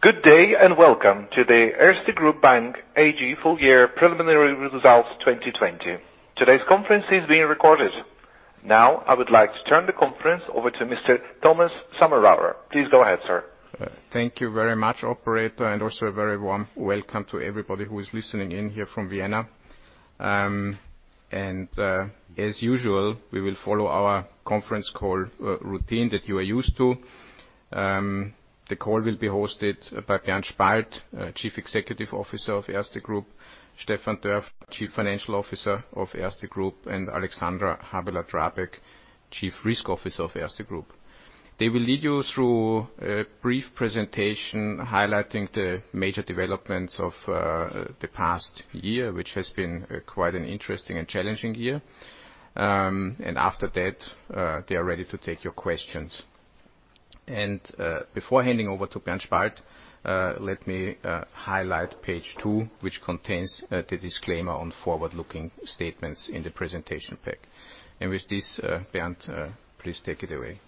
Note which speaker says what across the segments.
Speaker 1: Good day, and welcome to the Erste Group Bank AG Full-Year Preliminary Results 2020. Today's conference is being recorded. Now, I would like to turn the conference over to Mr. Thomas Sommerauer. Please go ahead, sir.
Speaker 2: Thank you very much, operator, and also a very warm welcome to everybody who is listening in here from Vienna. As usual, we will follow our conference call routine that you are used to. The call will be hosted by Bernd Spalt, Chief Executive Officer of Erste Group, Stefan Dörfler, Chief Financial Officer of Erste Group, and Alexandra Habeler-Drabek, Chief Risk Officer of Erste Group. They will lead you through a brief presentation highlighting the major developments of the past year, which has been quite an interesting and challenging year. After that, they are ready to take your questions. Before handing over to Bernd Spalt, let me highlight page two, which contains the disclaimer on forward-looking statements in the presentation pack. With this, Bernd, please take it away.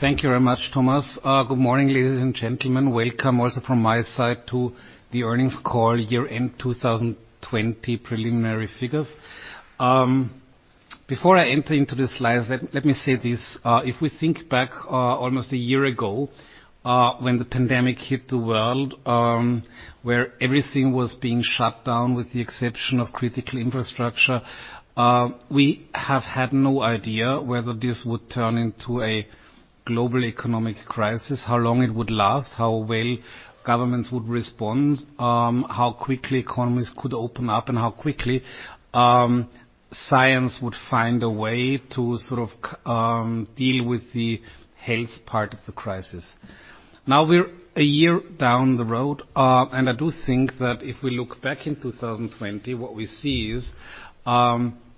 Speaker 3: Thank you very much, Thomas. Good morning, ladies and gentlemen. Welcome also from my side to the earnings call year-end 2020 preliminary figures. Before I enter into the slides, let me say this. If we think back almost a year ago, when the pandemic hit the world, where everything was being shut down with the exception of critical infrastructure, we have had no idea whether this would turn into a global economic crisis, how long it would last, how well governments would respond, how quickly economies could open up, and how quickly science would find a way to deal with the health part of the crisis. Now we're a year down the road, and I do think that if we look back in 2020, what we see is,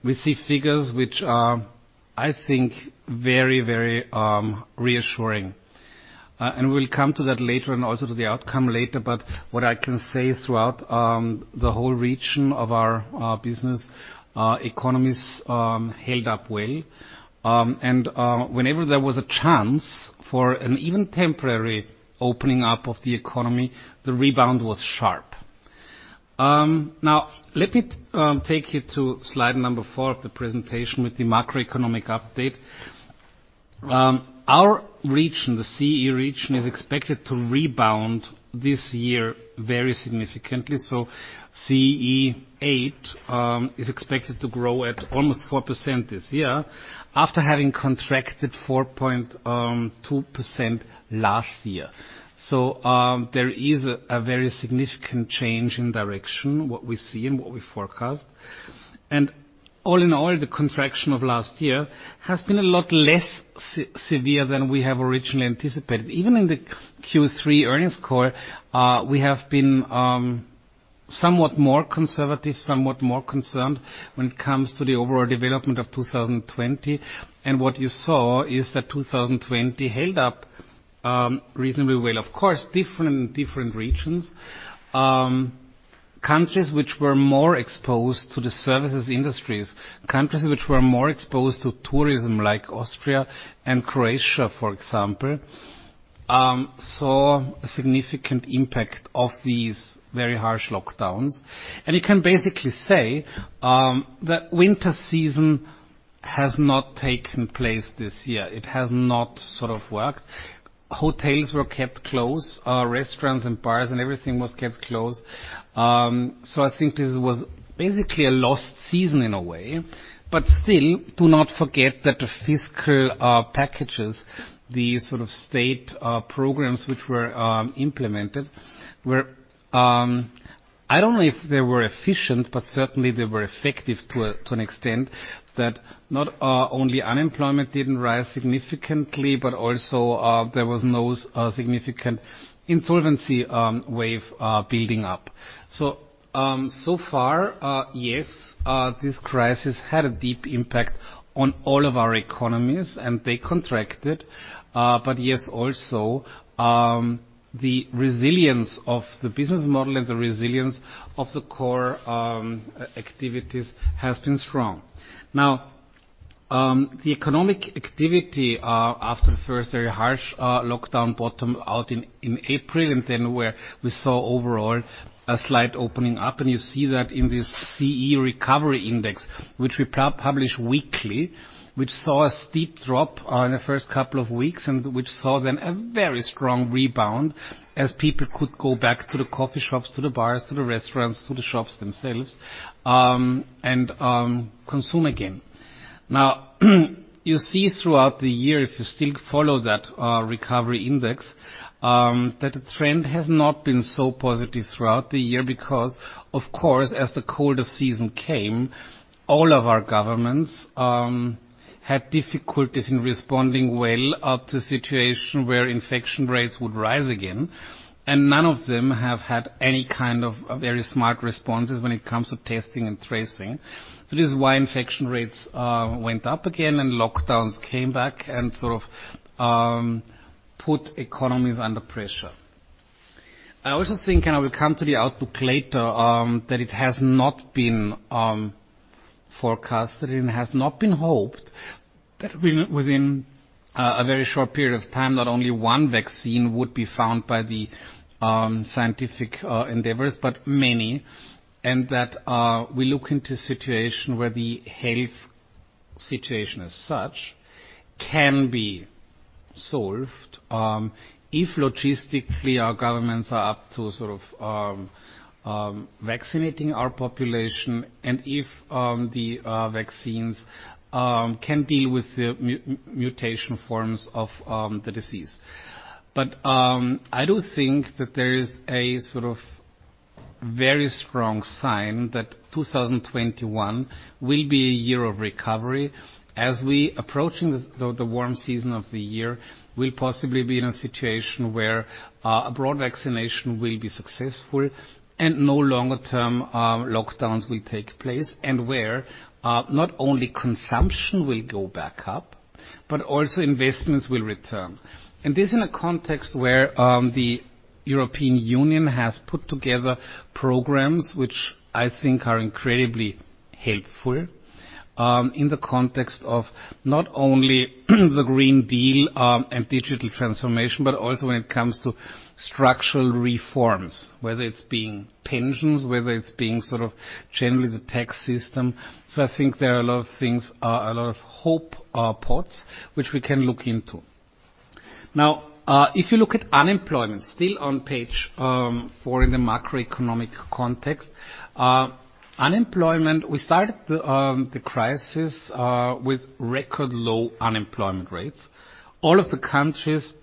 Speaker 3: we see figures which are, I think, very reassuring. We'll come to that later and also to the outcome later. What I can say throughout the whole region of our business, economies held up well. Whenever there was a chance for an even temporary opening up of the economy, the rebound was sharp. Now, let me take you to slide number four of the presentation with the macroeconomic update. Our region, the CE region, is expected to rebound this year very significantly. CE8 is expected to grow at almost 4% this year after having contracted 4.2% last year. There is a very significant change in direction, what we see and what we forecast. All in all, the contraction of last year has been a lot less severe than we have originally anticipated. Even in the Q3 earnings call, we have been somewhat more conservative, somewhat more concerned when it comes to the overall development of 2020. What you saw is that 2020 held up reasonably well. Of course, different in different regions. Countries which were more exposed to the services industries, countries which were more exposed to tourism, like Austria and Croatia, for example, saw a significant impact of these very harsh lockdowns. You can basically say that winter season has not taken place this year. It has not worked. Hotels were kept closed. Restaurants and bars and everything was kept closed. I think this was basically a lost season in a way, but still, do not forget that the fiscal packages, the state programs which were implemented were I don't know if they were efficient, but certainly, they were effective to an extent, that not only unemployment didn't rise significantly, but also there was no significant insolvency wave building up. So far, yes this crisis had a deep impact on all of our economies, and they contracted. Yes, also, the resilience of the business model and the resilience of the core activities has been strong. Now, the economic activity after the first very harsh lockdown bottom out in April, and then where we saw overall a slight opening up, and you see that in this CE recovery index, which we publish weekly, which saw a steep drop in the first couple of weeks, and which saw then a very strong rebound as people could go back to the coffee shops, to the bars, to the restaurants, to the shops themselves, and consume again. You see throughout the year, if you still follow that recovery index, that the trend has not been so positive throughout the year because, of course, as the coldest season came, all of our governments had difficulties in responding well to situation where infection rates would rise again, and none of them have had any kind of very smart responses when it comes to testing and tracing. This is why infection rates went up again, and lockdowns came back and put economies under pressure. I also think, and I will come to the outlook later, that it has not been forecasted and has not been hoped that within a very short period of time, not only one vaccine would be found by the scientific endeavors, but many. That we look into situation where the health situation as such can be solved, if logistically our governments are up to vaccinating our population and if the vaccines can deal with the mutation forms of the disease. I do think that there is a very strong sign that 2021 will be a year of recovery as we approaching the warm season of the year, we'll possibly be in a situation where a broad vaccination will be successful and no longer term lockdowns will take place, and where not only consumption will go back up, but also investments will return. This in a context where the European Union has put together programs which I think are incredibly helpful, in the context of not only the Green Deal, and digital transformation, but also when it comes to structural reforms, whether it is being pensions, whether it is being generally the tax system. I think there are a lot of things, a lot of hope of pots which we can look into. Now, if you look at unemployment, still on page four in the macroeconomic context. Unemployment, we started the crisis with record low unemployment rates. All of the countries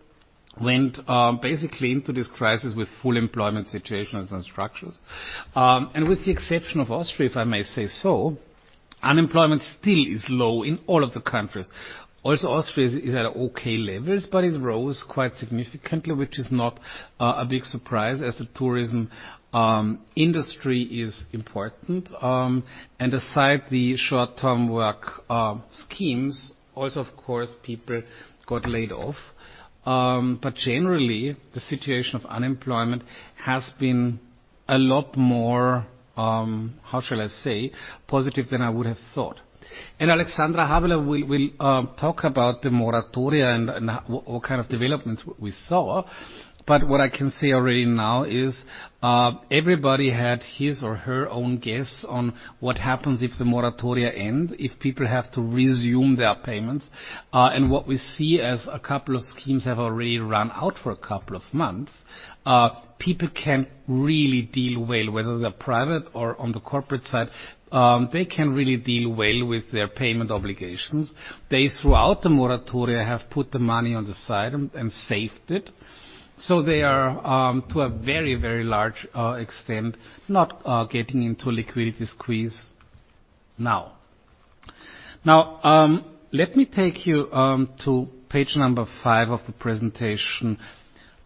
Speaker 3: went basically into this crisis with full employment situations and structures. With the exception of Austria, if I may say so, unemployment still is low in all of the countries. Also Austria is at okay levels, but it rose quite significantly, which is not a big surprise as the tourism industry is important. Aside the short-term work schemes, also, of course, people got laid off. Generally, the situation of unemployment has been a lot more, how shall I say, positive than I would have thought. Alexandra Habeler will talk about the moratoria and what kind of developments we saw. What I can say already now is, everybody had his or her own guess on what happens if the moratoria end, if people have to resume their payments. What we see as a couple of schemes have already run out for a couple of months, people can really deal well, whether they're private or on the corporate side, they can really deal well with their payment obligations. They, throughout the moratoria, have put the money on the side and saved it. They are, to a very large extent, not getting into a liquidity squeeze now. Let me take you to page number five of the presentation.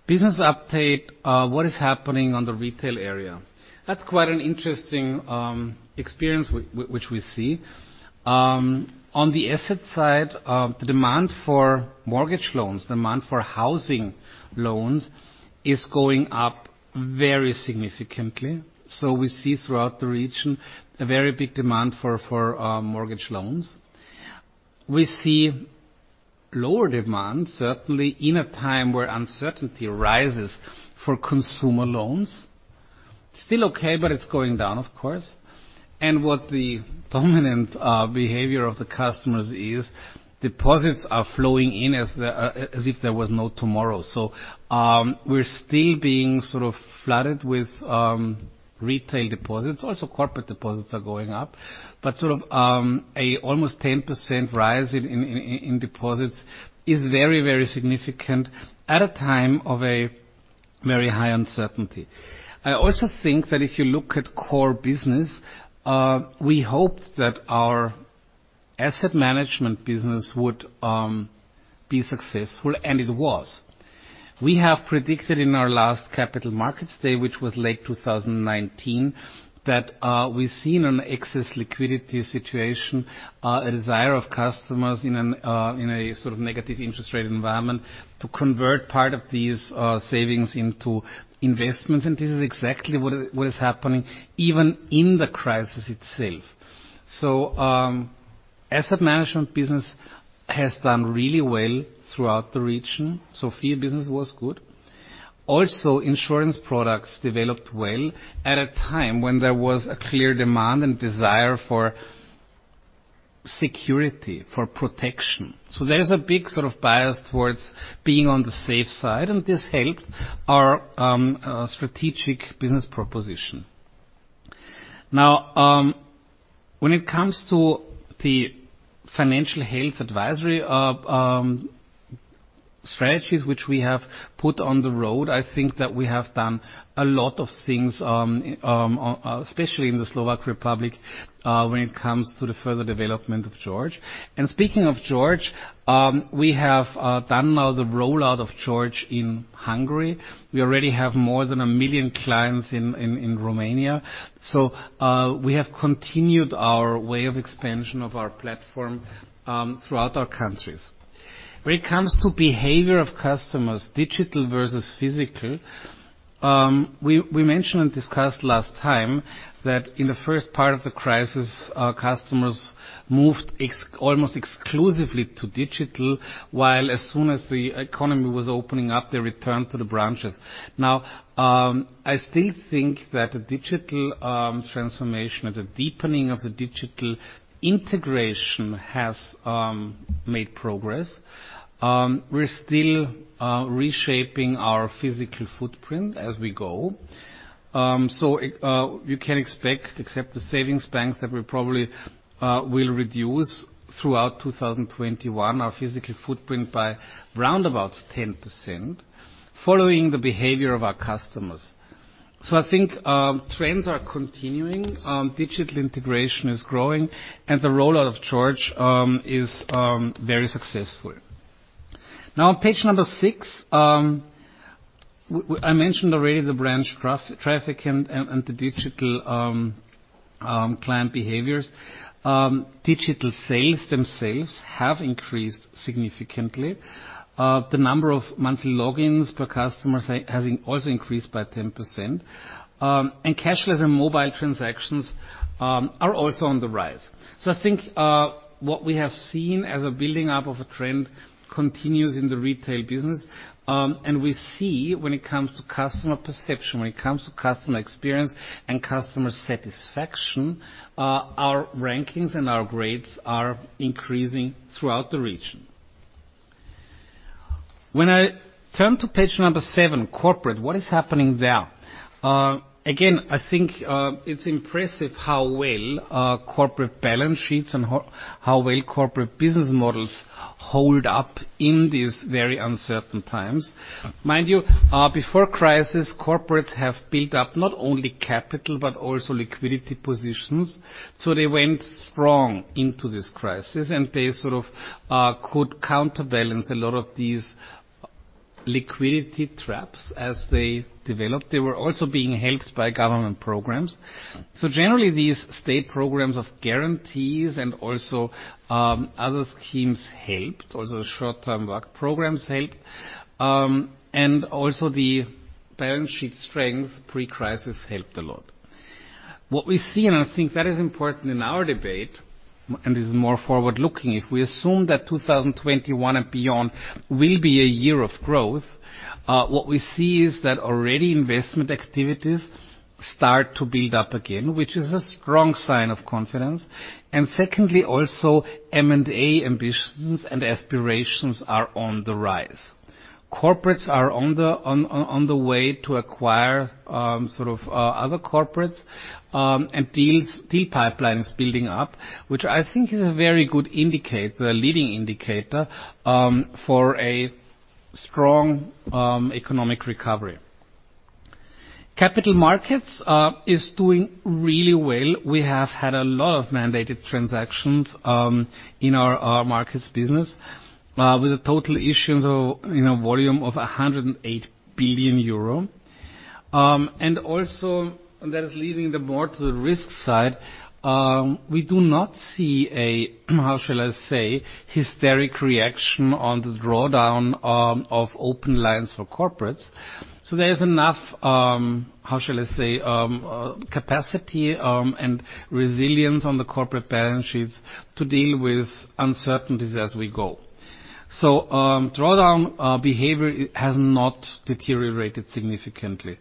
Speaker 3: Business update, what is happening on the retail area? That's quite an interesting experience which we see. On the asset side, the demand for mortgage loans, demand for housing loans is going up very significantly. We see throughout the region a very big demand for mortgage loans. We see lower demand, certainly in a time where uncertainty rises for consumer loans. Still okay, but it's going down, of course. What the dominant behavior of the customers is, deposits are flowing in as if there was no tomorrow. We are still being flooded with retail deposits. Also, corporate deposits are going up. An almost 10% rise in deposits is very significant at a time of a very high uncertainty. I also think that if you look at core business, we hope that our asset management business would be successful, and it was. We have predicted in our last Capital Markets Day, which was late 2019, that we've seen an excess liquidity situation, a desire of customers in a negative interest rate environment to convert part of these savings into investments, and this is exactly what is happening even in the crisis itself. So asset management business has done really well throughout the region. Fee business was good. Also, insurance products developed well at a time when there was a clear demand and desire for security, for protection. So there is a big bias towards being on the safe side, and this helped our strategic business proposition. When it comes to the financial health advisory strategies which we have put on the road, I think that we have done a lot of things, especially in the Slovak Republic, when it comes to the further development of George. Speaking of George, we have done now the rollout of George in Hungary. We already have more than a million clients in Romania. We have continued our way of expansion of our platform throughout our countries. When it comes to behavior of customers, digital versus physical, we mentioned and discussed last time that in the first part of the crisis, our customers moved almost exclusively to digital, while as soon as the economy was opening up, they returned to the branches. I still think that the digital transformation, the deepening of the digital integration has made progress. We're still reshaping our physical footprint as we go. You can expect, except the savings banks, that we probably will reduce throughout 2021, our physical footprint by round about 10%, following the behavior of our customers. I think trends are continuing. Digital integration is growing, and the rollout of George is very successful. Now, on page number six, I mentioned already the branch traffic and the digital client behaviors. Digital sales themselves have increased significantly. The number of monthly logins per customer has also increased by 10%, and cashless and mobile transactions are also on the rise. I think what we have seen as a building up of a trend continues in the retail business. We see when it comes to customer perception, when it comes to customer experience and customer satisfaction, our rankings and our grades are increasing throughout the region. When I turn to page number seven, corporate, what is happening there? I think it's impressive how well corporate balance sheets and how well corporate business models hold up in these very uncertain times. Mind you, before crisis, corporates have built up not only capital but also liquidity positions. They went strong into this crisis, and they sort of could counterbalance a lot of these liquidity traps as they developed. They were also being helped by government programs. Generally, these state programs of guarantees and also other schemes helped. Also short-term work programs helped. Also the balance sheet strength pre-crisis helped a lot. What we see, and I think that is important in our debate, and this is more forward-looking, if we assume that 2021 and beyond will be a year of growth, what we see is that already investment activities start to build up again, which is a strong sign of confidence. Secondly, also M&A ambitions and aspirations are on the rise. Corporates are on the way to acquire other corporates, and deal pipeline is building up, which I think is a very good indicator, a leading indicator, for a strong economic recovery. Capital markets is doing really well. We have had a lot of mandated transactions in our markets business, with a total issuance volume of 108 billion euro. Also, that is leading more to the risk side. We do not see a hysterical reaction on the drawdown of open lines for corporates. There is enough capacity and resilience on the corporate balance sheets to deal with uncertainties as we go. Drawdown behavior has not deteriorated significantly.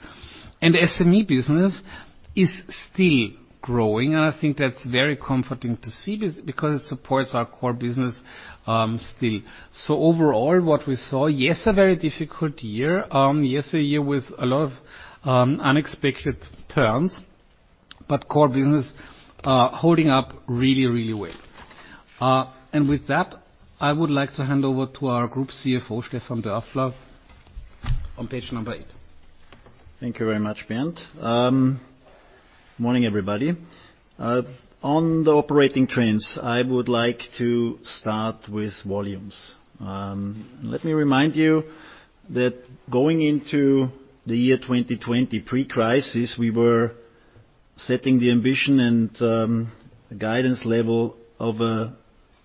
Speaker 3: SME business is still growing, and I think that's very comforting to see because it supports our core business still. Overall, what we saw, yes, a very difficult year. Yes, a year with a lot of unexpected turns, but core business holding up really, really well. With that, I would like to hand over to our Group CFO, Stefan Dörfler, on page number eight.
Speaker 4: Thank you very much, Bernd. Morning, everybody. On the operating trends, I would like to start with volumes. Let me remind you that going into the year 2020 pre-crisis, we were setting the ambition and guidance level of a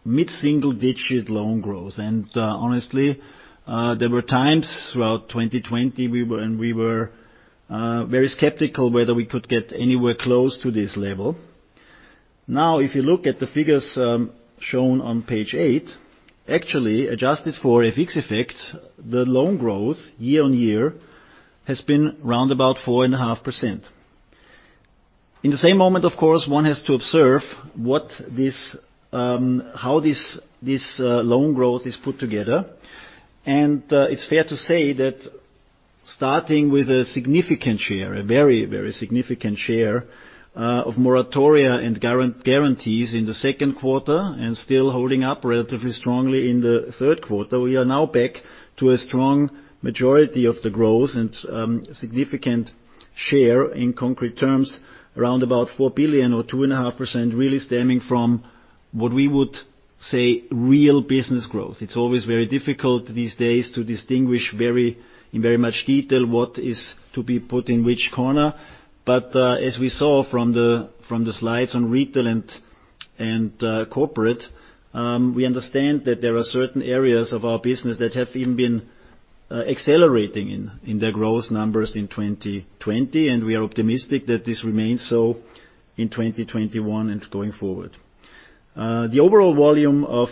Speaker 4: mid-single-digit loan growth. Honestly, there were times throughout 2020 when we were very skeptical whether we could get anywhere close to this level. If you look at the figures shown on page eight, actually adjusted for FX effects, the loan growth year-on-year has been around about 4.5%. In the same moment, of course, one has to observe how this loan growth is put together. It's fair to say that starting with a significant share, a very, very significant share of moratoria and guarantees in the second quarter and still holding up relatively strongly in the third quarter, we are now back to a strong majority of the growth and significant share in concrete terms around about 4 billion or 2.5% really stemming from what we would say real business growth. It's always very difficult these days to distinguish in very much detail what is to be put in which corner. As we saw from the slides on retail and corporate, we understand that there are certain areas of our business that have even been accelerating in their growth numbers in 2020, and we are optimistic that this remains so in 2021 and going forward. The overall volume of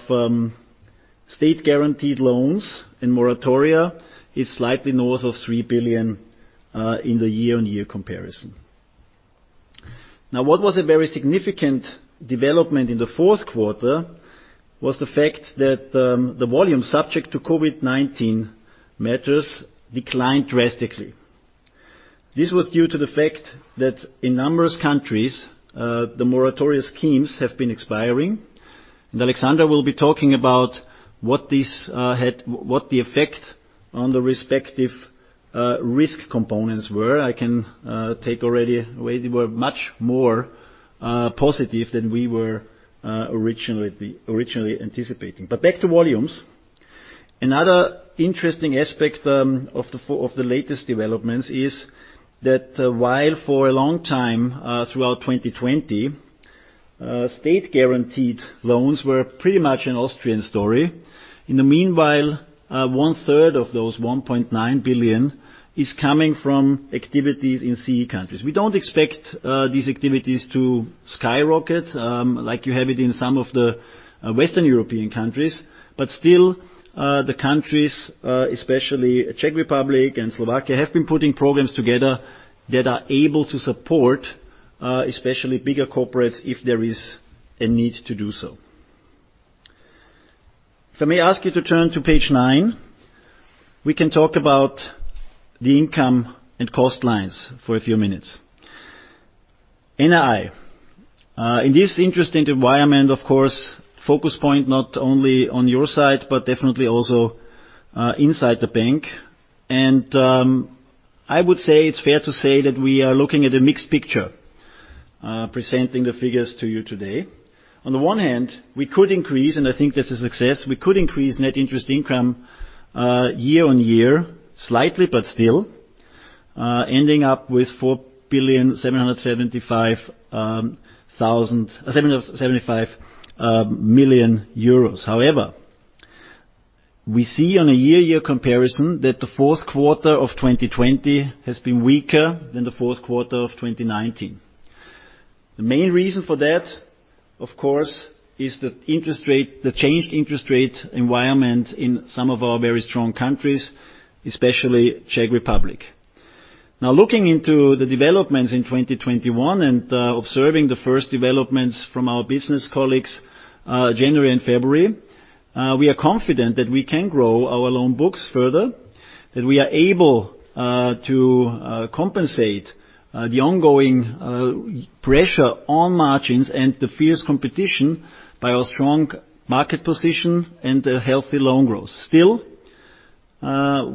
Speaker 4: state-guaranteed loans and moratoria is slightly north of 3 billion in the year-over-year comparison. What was a very significant development in the fourth quarter was the fact that the volume subject to COVID-19 measures declined drastically. This was due to the fact that in numerous countries, the moratoria schemes have been expiring, and Alexandra will be talking about what the effect on the respective risk components were. I can take already, they were much more positive than we were originally anticipating. Back to volumes. Another interesting aspect of the latest developments is that while for a long time throughout 2020, state-guaranteed loans were pretty much an Austrian story. In the meanwhile, 1/3 of those 1.9 billion is coming from activities in CE countries. We don't expect these activities to skyrocket like you have it in some of the Western European countries. Still, the countries, especially Czech Republic and Slovakia, have been putting programs together that are able to support, especially bigger corporates, if there is a need to do so. If I may ask you to turn to page nine, we can talk about the income and cost lines for a few minutes. NII. In this interesting environment, of course, focus point not only on your side, definitely also inside the bank. I would say it's fair to say that we are looking at a mixed picture presenting the figures to you today. On the one hand, we could increase, and I think that's a success, we could increase net interest income year-on-year slightly. Still, ending up with 4,775 million euros. However, we see on a year-year comparison that the fourth quarter of 2020 has been weaker than the fourth quarter of 2019. The main reason for that, of course, is the changed interest rate environment in some of our very strong countries, especially Czech Republic. Now, looking into the developments in 2021 and observing the first developments from our business colleagues January and February, we are confident that we can grow our loan books further. That we are able to compensate the ongoing pressure on margins and the fierce competition by our strong market position and the healthy loan growth. Still,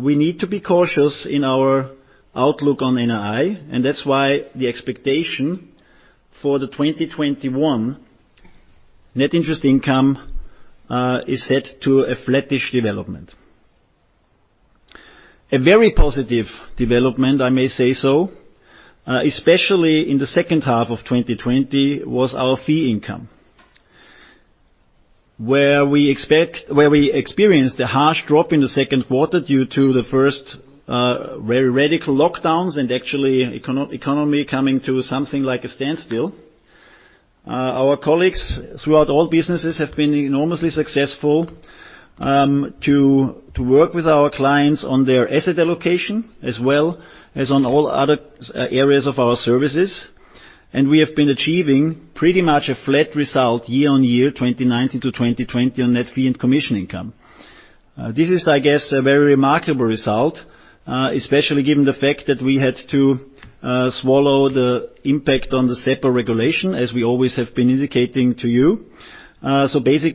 Speaker 4: we need to be cautious in our outlook on NII, and that's why the expectation for the 2021 net interest income is set to a flattish development. A very positive development, I may say so, especially in the second half of 2020, was our fee income. Where we experienced a harsh drop in the second quarter due to the first very radical lockdowns and actually economy coming to something like a standstill, our colleagues throughout all businesses have been enormously successful to work with our clients on their asset allocation as well as on all other areas of our services. We have been achieving pretty much a flat result year-on-year 2019 to 2020 on net fee and commission income. This is, I guess, a very remarkable result, especially given the fact that we had to swallow the impact on the SEPA regulation, as we always have been indicating to you. Adjusted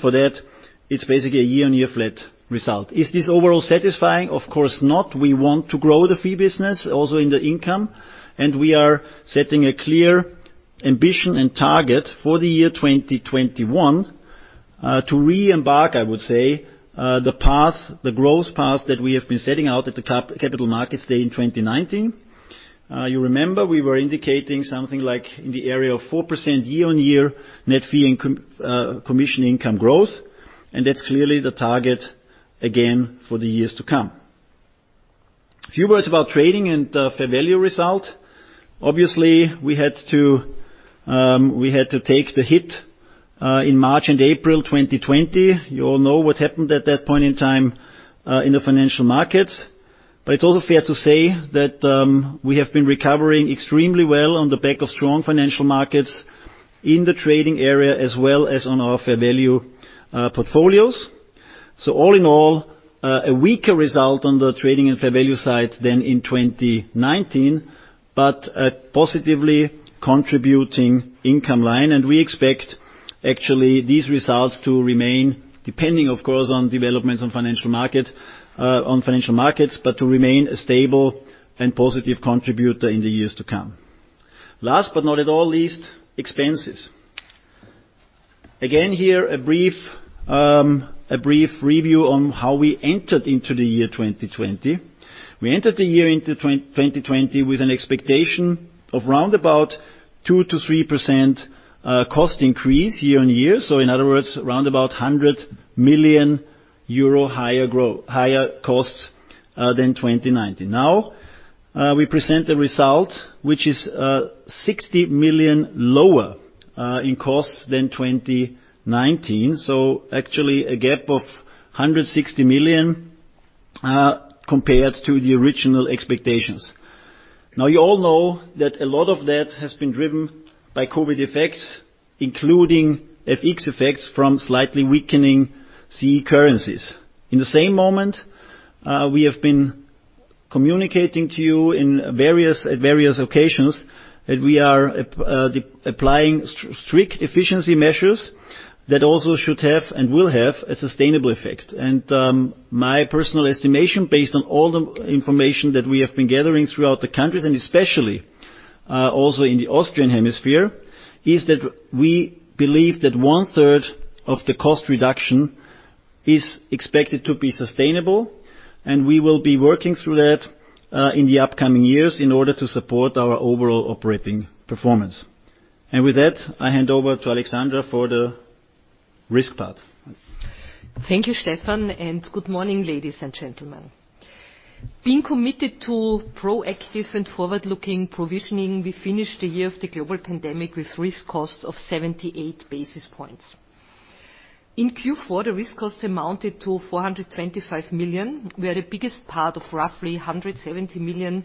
Speaker 4: for that, it's basically a year-on-year flat result. Is this overall satisfying? Of course not. We want to grow the fee business also in the income, and we are setting a clear ambition and target for the year 2021 to re-embark, I would say, the growth path that we have been setting out at the Capital Markets Day in 2019. You remember, we were indicating something like in the area of 4% year-on-year net fee and commission income growth. That's clearly the target again for the years to come. A few words about trading and fair value result. Obviously, we had to take the hit in March and April 2020. You all know what happened at that point in time in the financial markets. It's also fair to say that we have been recovering extremely well on the back of strong financial markets in the trading area as well as on our fair value portfolios. All in all, a weaker result on the trading and fair value side than in 2019, but a positively contributing income line. We expect, actually, these results to remain, depending of course, on developments on financial markets, but to remain a stable and positive contributor in the years to come. Last but not at all least, expenses. Again, here a brief review on how we entered into the year 2020. We entered the year into 2020 with an expectation of round about 2%-3% cost increase year-on-year. In other words, around about 100 million euro higher costs than 2019. Now, we present the result, which is 60 million lower in costs than 2019. Actually, a gap of 160 million compared to the original expectations. Now, you all know that a lot of that has been driven by COVID effects, including FX effects from slightly weakening CE currencies. In the same moment, we have been communicating to you at various occasions that we are applying strict efficiency measures that also should have and will have a sustainable effect. My personal estimation, based on all the information that we have been gathering throughout the countries, and especially also in the Austrian hemisphere, is that we believe that 1/3 of the cost reduction is expected to be sustainable, and we will be working through that in the upcoming years in order to support our overall operating performance. With that, I hand over to Alexandra for the risk part.
Speaker 5: Thank you, Stefan, and good morning, ladies and gentlemen. Being committed to proactive and forward-looking provisioning, we finished the year of the global pandemic with risk costs of 78 basis points. In Q4, the risk costs amounted to 425 million, where the biggest part of roughly 170 million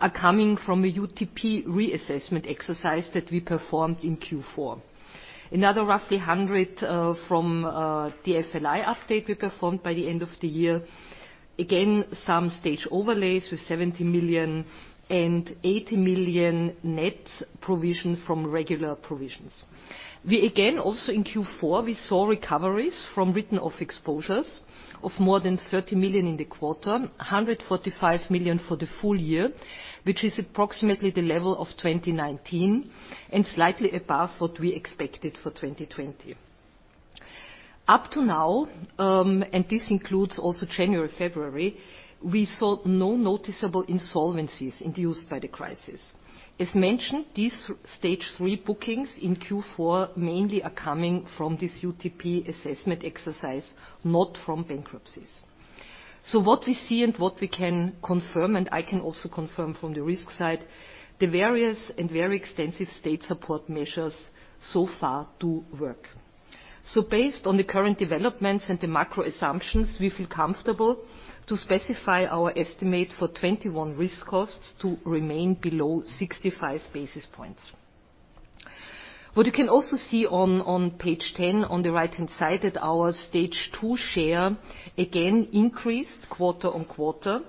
Speaker 5: are coming from a UTP reassessment exercise that we performed in Q4, another roughly 100 million from the FLI update we performed by the end of the year, again, some stage overlays with 70 million and 80 million net provision from regular provisions. We again, also in Q4, saw recoveries from written-off exposures of more than 30 million in the quarter, 145 million for the full year, which is approximately the level of 2019 and slightly above what we expected for 2020. Up to now, and this includes also January, February, we saw no noticeable insolvencies induced by the crisis. As mentioned, these Stage 3 bookings in Q4 mainly are coming from this UTP assessment exercise, not from bankruptcies. What we see and what we can confirm, and I can also confirm from the risk side, the various and very extensive state support measures so far do work. Based on the current developments and the macro assumptions, we feel comfortable to specify our estimate for 2021 risk costs to remain below 65 basis points. What you can also see on page 10, on the right-hand side, that our Stage 2 share again increased quarter-on-quarter,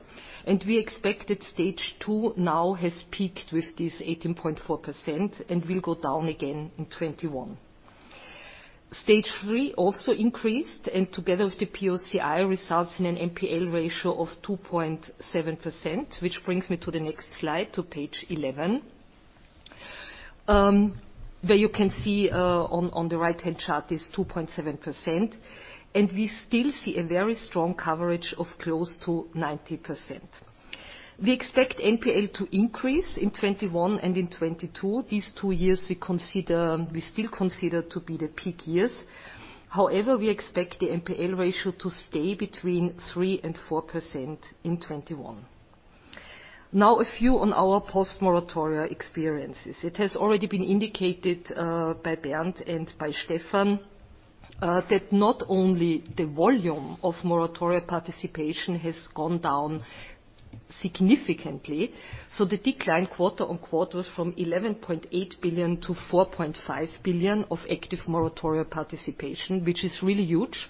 Speaker 5: and we expect that Stage 2 now has peaked with this 18.4% and will go down again in 2021. Stage 3 also increased, and together with the POCI, results in an NPL ratio of 2.7%, which brings me to the next slide, to page 11. There you can see on the right-hand chart is 2.7%, and we still see a very strong coverage of close to 90%. We expect NPL to increase in 2021 and in 2022. These two years we still consider to be the peak years. However, we expect the NPL ratio to stay between 3% and 4% in 2021. A few on our post-moratoria experiences. It has already been indicated by Bernd and by Stefan that not only the volume of moratoria participation has gone down significantly, so the decline quarter-on-quarter was from 11.8 billion to 4.5 billion of active moratoria participation, which is really huge.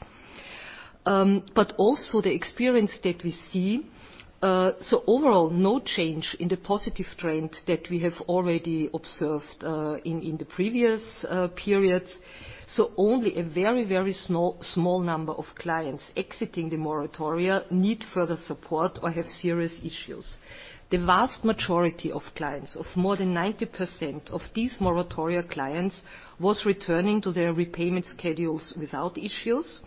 Speaker 5: Also the experience that we see, so overall, no change in the positive trend that we have already observed in the previous periods. Only a very small number of clients exiting the moratoria need further support or have serious issues. The vast majority of clients, of more than 90% of these moratoria clients, was returning to their repayment schedules without issues.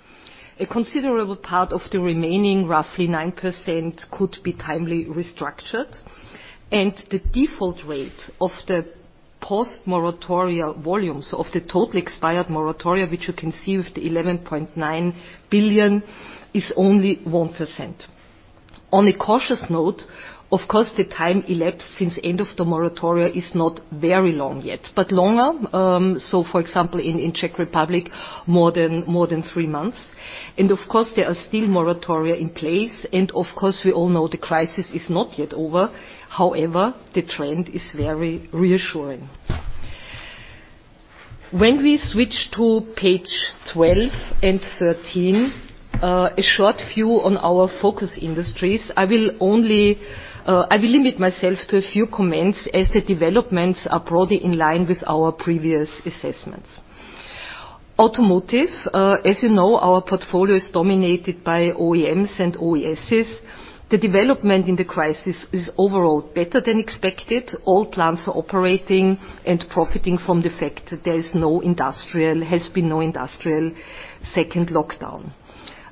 Speaker 5: A considerable part of the remaining, roughly 9%, could be timely restructured, and the default rate of the post-moratoria volumes of the totally expired moratoria, which you can see with the 11.9 billion, is only 1%. On a cautious note, of course, the time elapsed since end of the moratoria is not very long yet, but longer. For example, in Czech Republic, more than three months. Of course, there are still moratoria in place. Of course, we all know the crisis is not yet over. However, the trend is very reassuring. When we switch to page 12 and 13, a short view on our focus industries. I will limit myself to a few comments as the developments are broadly in line with our previous assessments. Automotive. As you know, our portfolio is dominated by OEMs and OESs. The development in the crisis is overall better than expected. All plants are operating and profiting from the fact there has been no industrial second lockdown.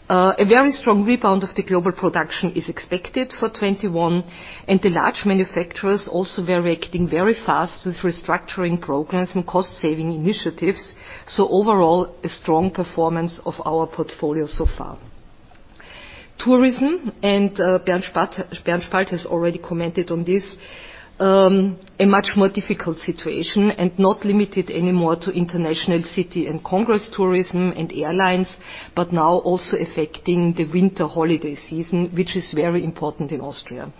Speaker 5: A very strong rebound of the global production is expected for 2021, and the large manufacturers also were reacting very fast with restructuring programs and cost-saving initiatives. Overall, a strong performance of our portfolio so far. Tourism. Bernd Spalt has already commented on this. A much more difficult situation, and not limited anymore to international city and congress tourism and airlines, but now also affecting the winter holiday season, which is very important in Austria.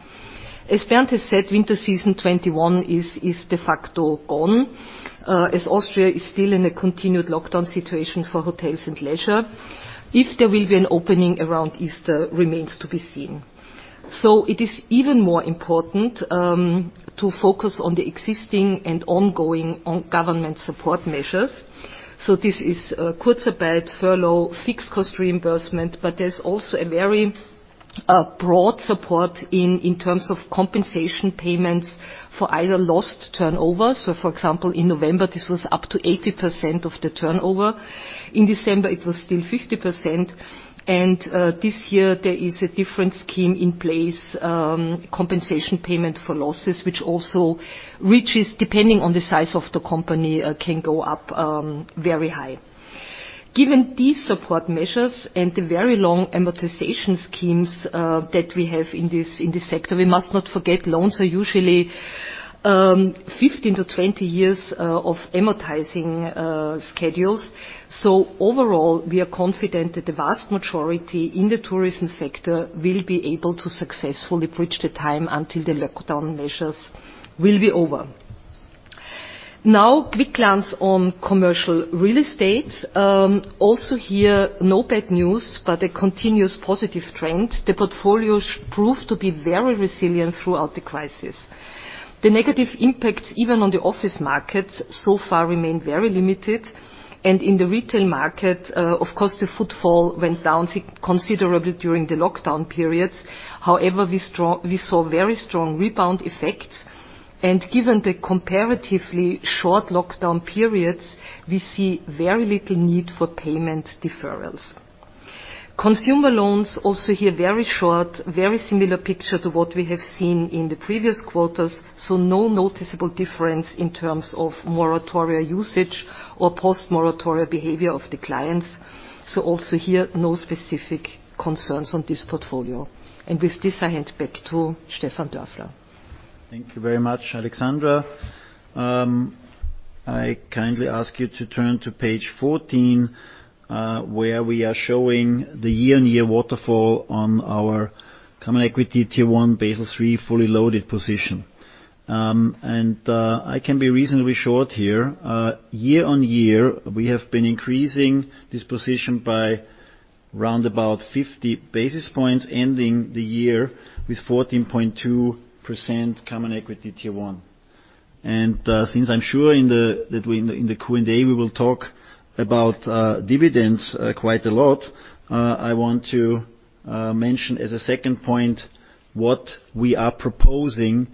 Speaker 5: As Bernd has said, winter season 2021 is de facto gone, as Austria is still in a continued lockdown situation for hotels and leisure. If there will be an opening around Easter remains to be seen. It is even more important to focus on the existing and ongoing government support measures. This is Kurzarbeit, furlough, fixed cost reimbursement, but there's also a very broad support in terms of compensation payments for either lost turnover. For example, in November, this was up to 80% of the turnover. In December, it was still 50%. This year, there is a different scheme in place, compensation payment for losses, which also reaches, depending on the size of the company, can go up very high. Given these support measures and the very long amortization schemes that we have in this sector, we must not forget loans are usually 15-20 years of amortizing schedules. Overall, we are confident that the vast majority in the tourism sector will be able to successfully bridge the time until the lockdown measures will be over. Now, quick glance on commercial real estate. Also here, no bad news, but a continuous positive trend. The portfolios prove to be very resilient throughout the crisis. The negative impact, even on the office markets, so far remain very limited. In the retail market, of course, the footfall went down considerably during the lockdown periods. However, we saw very strong rebound effects. Given the comparatively short lockdown periods, we see very little need for payment deferrals. Consumer loans, also here very short, very similar picture to what we have seen in the previous quarters. No noticeable difference in terms of moratoria usage or post-moratoria behavior of the clients. Also here, no specific concerns on this portfolio. With this, I hand back to Stefan Dörfler.
Speaker 4: Thank you very much, Alexandra. I kindly ask you to turn to page 14, where we are showing the year-on-year waterfall on our common equity Tier 1 Basel III fully loaded position. I can be reasonably short here. Year-on-year, we have been increasing this position by around about 50 basis points, ending the year with 14.2% common equity Tier 1. Since I'm sure that in the Q&A, we will talk about dividends quite a lot, I want to mention as a second point what we are proposing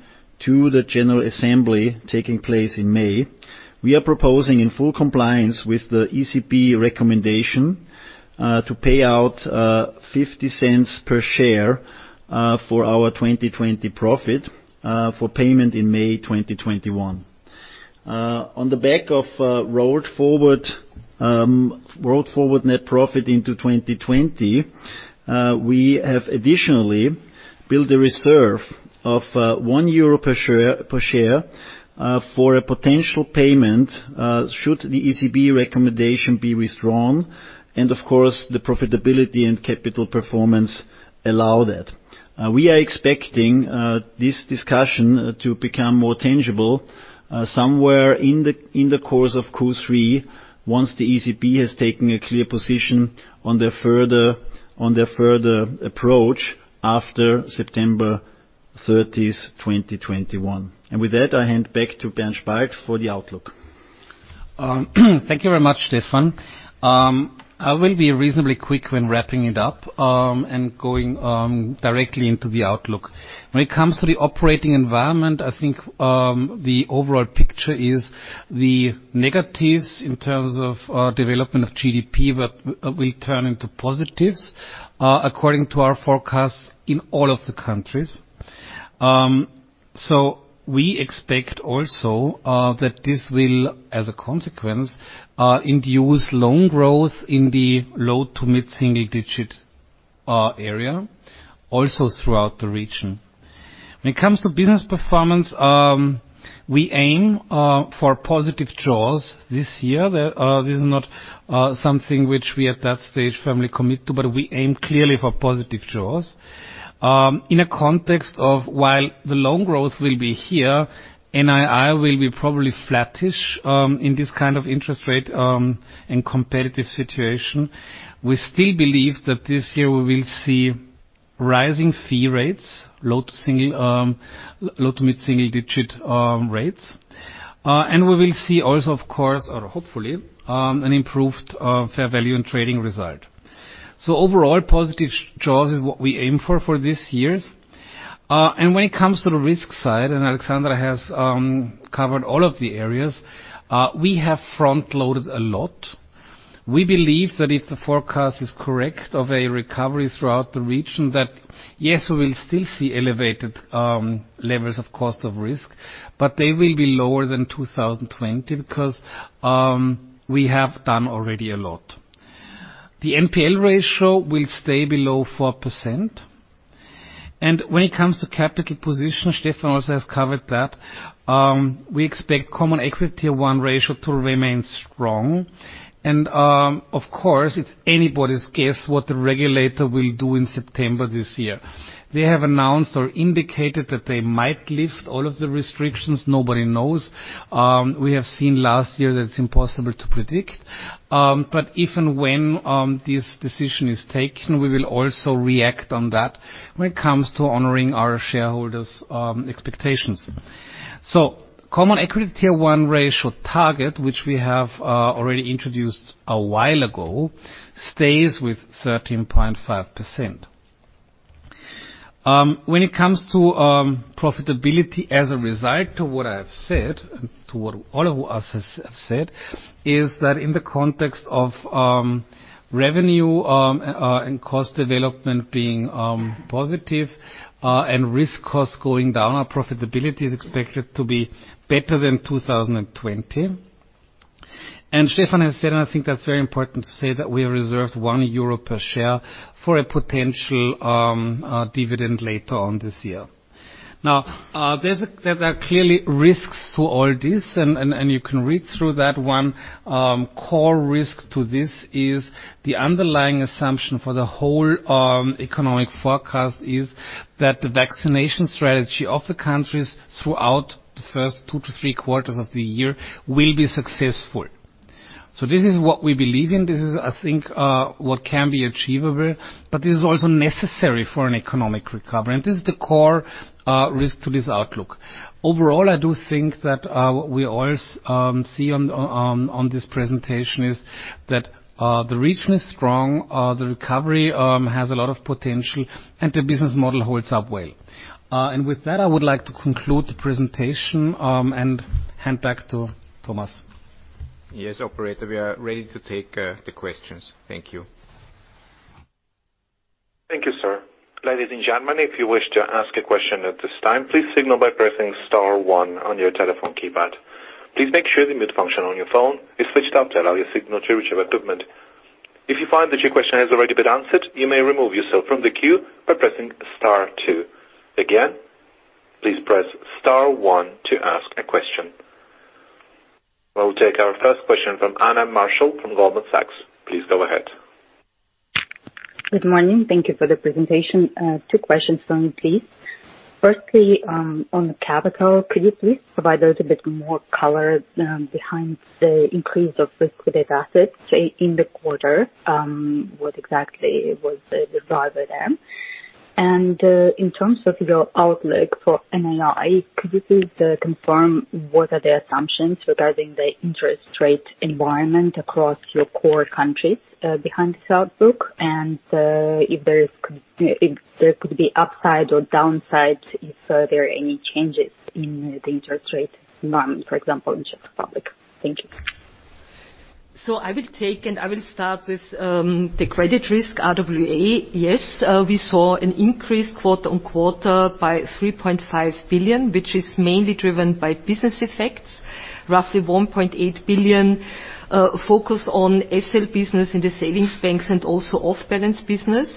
Speaker 4: to the general assembly taking place in May. We are proposing, in full compliance with the ECB recommendation, to pay out 0.50 per share for our 2020 profit, for payment in May 2021. On the back of rolled forward net profit into 2020, we have additionally built a reserve of 1 euro per share for a potential payment should the ECB recommendation be withdrawn, and of course, the profitability and capital performance allow that. We are expecting this discussion to become more tangible somewhere in the course of Q3, once the ECB has taken a clear position on their further approach after September 30th, 2021. With that, I hand back to Bernd Spalt for the outlook.
Speaker 3: Thank you very much, Stefan. I will be reasonably quick when wrapping it up, going directly into the outlook. When it comes to the operating environment, I think the overall picture is the negatives in terms of development of GDP will turn into positives according to our forecast in all of the countries. We expect also that this will, as a consequence, induce loan growth in the low to mid-single digit area also throughout the region. When it comes to business performance, we aim for positive jaws this year. This is not something which we, at that stage, firmly commit to, we aim clearly for positive jaws. In a context of while the loan growth will be here, NII will be probably flattish in this kind of interest rate and competitive situation. We still believe that this year we will see rising fee rates, low to mid-single-digit rates. We will see also, of course, or hopefully, an improved fair value and trading result. Overall, positive jaws is what we aim for for these years. When it comes to the risk side, and Alexandra has covered all of the areas, we have front-loaded a lot. We believe that if the forecast is correct, of a recovery throughout the region, that, yes, we will still see elevated levels of cost of risk, but they will be lower than 2020 because we have done already a lot. The NPL ratio will stay below 4%. When it comes to capital position, Stefan also has covered that. We expect common equity Tier 1 ratio to remain strong, and of course, it's anybody's guess what the regulator will do in September this year. They have announced or indicated that they might lift all of the restrictions. Nobody knows. We have seen last year that it's impossible to predict. If and when this decision is taken, we will also react on that when it comes to honoring our shareholders' expectations. Common equity Tier 1 ratio target, which we have already introduced a while ago, stays with 13.5%. When it comes to profitability as a result to what I have said, and to what all of us have said, is that in the context of revenue and cost development being positive, and risk costs going down, our profitability is expected to be better than 2020. Stefan has said, and I think that's very important to say, that we have reserved one euro per share for a potential dividend later on this year. There are clearly risks to all this, and you can read through that. One core risk to this is the underlying assumption for the whole economic forecast is that the vaccination strategy of the countries throughout the first two to three quarters of the year will be successful. This is what we believe in. This is, I think, what can be achievable, but this is also necessary for an economic recovery, and this is the core risk to this outlook. Overall, I do think that what we all see on this presentation is that the region is strong, the recovery has a lot of potential, and the business model holds up well. With that, I would like to conclude the presentation, and hand back to Thomas.
Speaker 2: Yes, operator, we are ready to take the questions. Thank you.
Speaker 1: Thank you, sir. Ladies and gentlemen, if you wish to ask a question at this time, please signal by pressing star one on your telephone keypad. Please make sure the mute function on your phone is switched off to allow your signal to reach our equipment. If you find that your question has already been answered, you may remove yourself from the queue by pressing star two. Again, please press star one to ask a question. We'll take our first question from Anna Marshall from Goldman Sachs. Please go ahead.
Speaker 6: Good morning. Thank you for the presentation. Two questions from me, please. Firstly, on the capital, could you please provide a little bit more color behind the increase of risk-weighted assets say in the quarter? What exactly was the driver there? In terms of your outlook for NII, could you please confirm what are the assumptions regarding the interest rate environment across your core countries behind this outlook, and if there could be upside or downside if there are any changes in the interest rate environment, for example, in Czech Republic? Thank you.
Speaker 5: I will take, and I will start with the credit risk RWA. Yes, we saw an increase quarter-on-quarter by 3.5 billion, which is mainly driven by business effects. Roughly 1.8 billion focus on SL business in the savings banks and also off-balance business,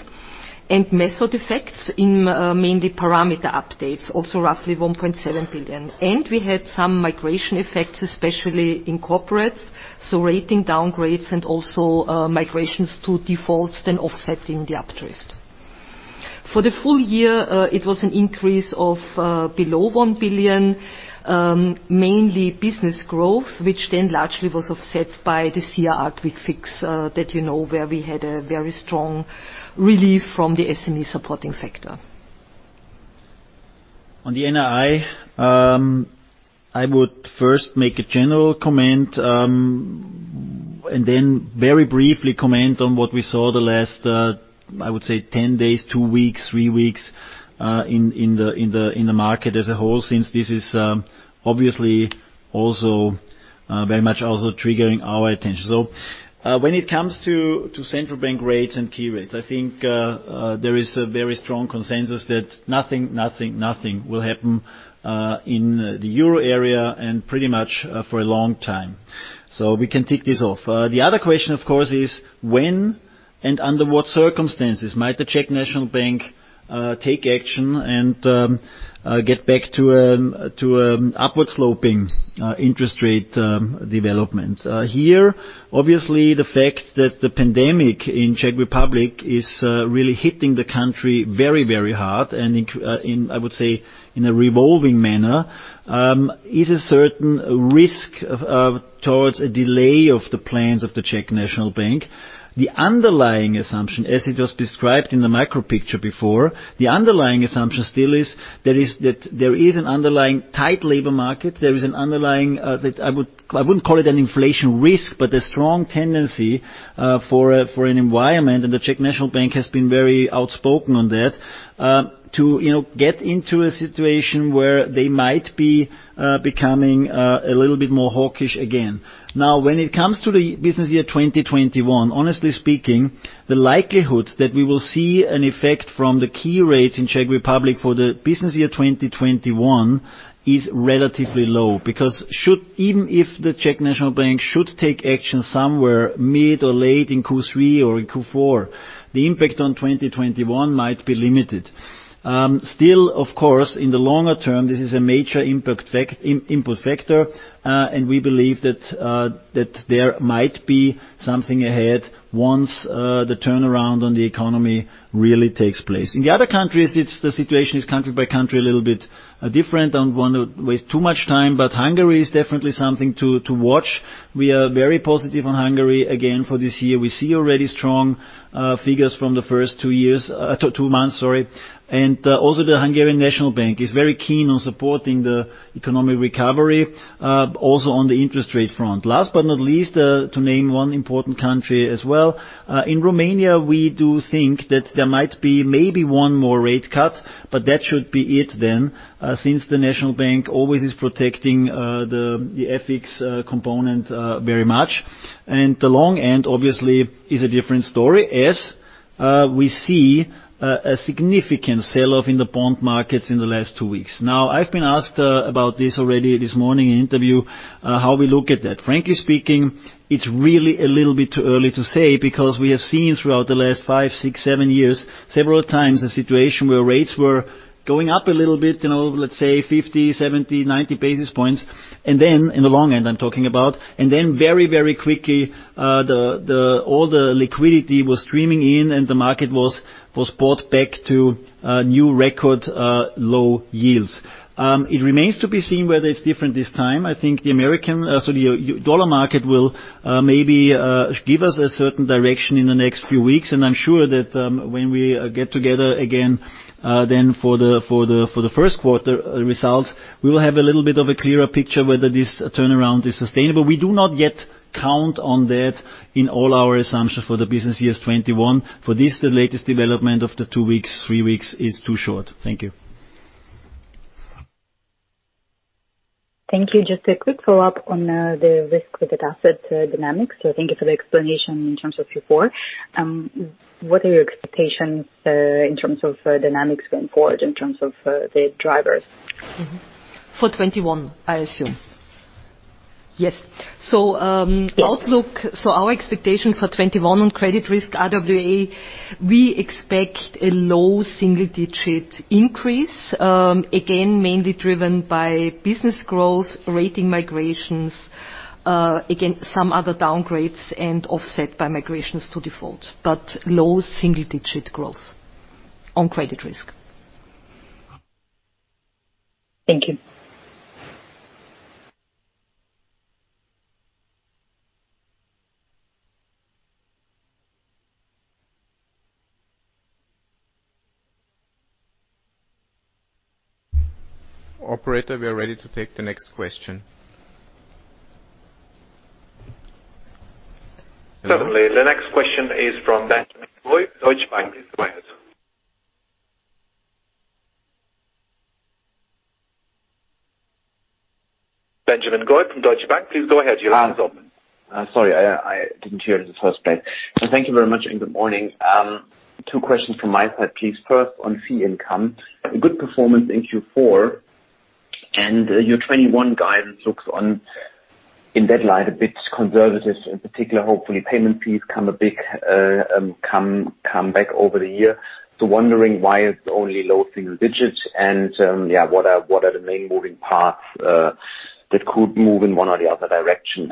Speaker 5: and method effects in mainly parameter updates, also roughly 1.7 billion. We had some migration effects, especially in corporates, so rating downgrades and also migrations to defaults then offsetting the uplift. For the full year, it was an increase of below 1 billion, mainly business growth, which then largely was offset by the CRR quick fix that you know, where we had a very strong relief from the SME supporting factor.
Speaker 4: On the NII, I would first make a general comment, and then very briefly comment on what we saw the last, I would say 10 days, two weeks, three weeks, in the market as a whole, since this is obviously also very much triggering our attention. When it comes to central bank rates and key rates, I think there is a very strong consensus that nothing, nothing will happen in the euro area, and pretty much for a long time. We can tick this off. The other question, of course, is when and under what circumstances might the Czech National Bank take action and get back to upward-sloping interest rate development? Here, obviously, the fact that the pandemic in Czech Republic is really hitting the country very, very hard and I would say in a revolving manner, is a certain risk towards a delay of the plans of the Czech National Bank. The underlying assumption, as it was described in the macro picture before, the underlying assumption still is that there is an underlying tight labor market. There is an underlying, I wouldn't call it an inflation risk, but a strong tendency for an environment, and the Czech National Bank has been very outspoken on that, to get into a situation where they might be becoming a little bit more hawkish again. Now, when it comes to the business year 2021, honestly speaking, the likelihood that we will see an effect from the key rates in Czech Republic for the business year 2021 is relatively low. Even if the Czech National Bank should take action somewhere mid or late in Q3 or in Q4, the impact on 2021 might be limited. Still, of course, in the longer term, this is a major input factor, and we believe that there might be something ahead once the turnaround on the economy really takes place. In the other countries, the situation is country by country, a little bit different. I don't want to waste too much time, Hungary is definitely something to watch. We are very positive on Hungary again for this year. We see already strong figures from the first two months. Also the Hungarian National Bank is very keen on supporting the economic recovery, also on the interest rate front. Last but not least, to name one important country as well. In Romania, we do think that there might be maybe one more rate cut, but that should be it then, since the National Bank always is protecting the FX component very much. The long end, obviously, is a different story as we see a significant sell-off in the bond markets in the last two weeks. I've been asked about this already this morning in interview, how we look at that. Frankly speaking, it's really a little bit too early to say, because we have seen throughout the last five, six, seven years, several times a situation where rates were going up a little bit, let's say 50, 70, 90 basis points. In the long end I'm talking about, and then very quickly all the liquidity was streaming in and the market was brought back to new record low yields. It remains to be seen whether it's different this time. I think the dollar market will maybe give us a certain direction in the next few weeks. I'm sure that when we get together again then for the first quarter results, we will have a little bit of a clearer picture whether this turnaround is sustainable. We do not yet count on that in all our assumptions for the business years 2021. For this, the latest development of the two weeks, three weeks is too short. Thank you.
Speaker 6: Thank you. Just a quick follow-up on the risk-weighted asset dynamics. Thank you for the explanation in terms of Q4. What are your expectations in terms of dynamics going forward, in terms of the drivers?
Speaker 5: For 2021, I assume.
Speaker 6: Yes.
Speaker 5: Outlook. Our expectations for 2021 on credit risk RWA, we expect a low single-digit increase, again, mainly driven by business growth, rating migrations, again, some other downgrades and offset by migrations to default, but low single-digit growth on credit risk.
Speaker 6: Thank you.
Speaker 2: Operator, we are ready to take the next question.
Speaker 1: Certainly. The next question is from Ben Goy, Deutsche Bank. Please go ahead. Benjamin Goy from Deutsche Bank, please go ahead.
Speaker 7: Sorry, I didn't hear in the first place. Thank you very much, and good morning. Two questions from my side, please. First, on fee income. A good performance in Q4. Your 2021 guidance looks on, in that light, a bit conservative. In particular, hopefully payment fees come back over the year. Wondering why it's only low single digits, and what are the main moving parts that could move in one or the other direction?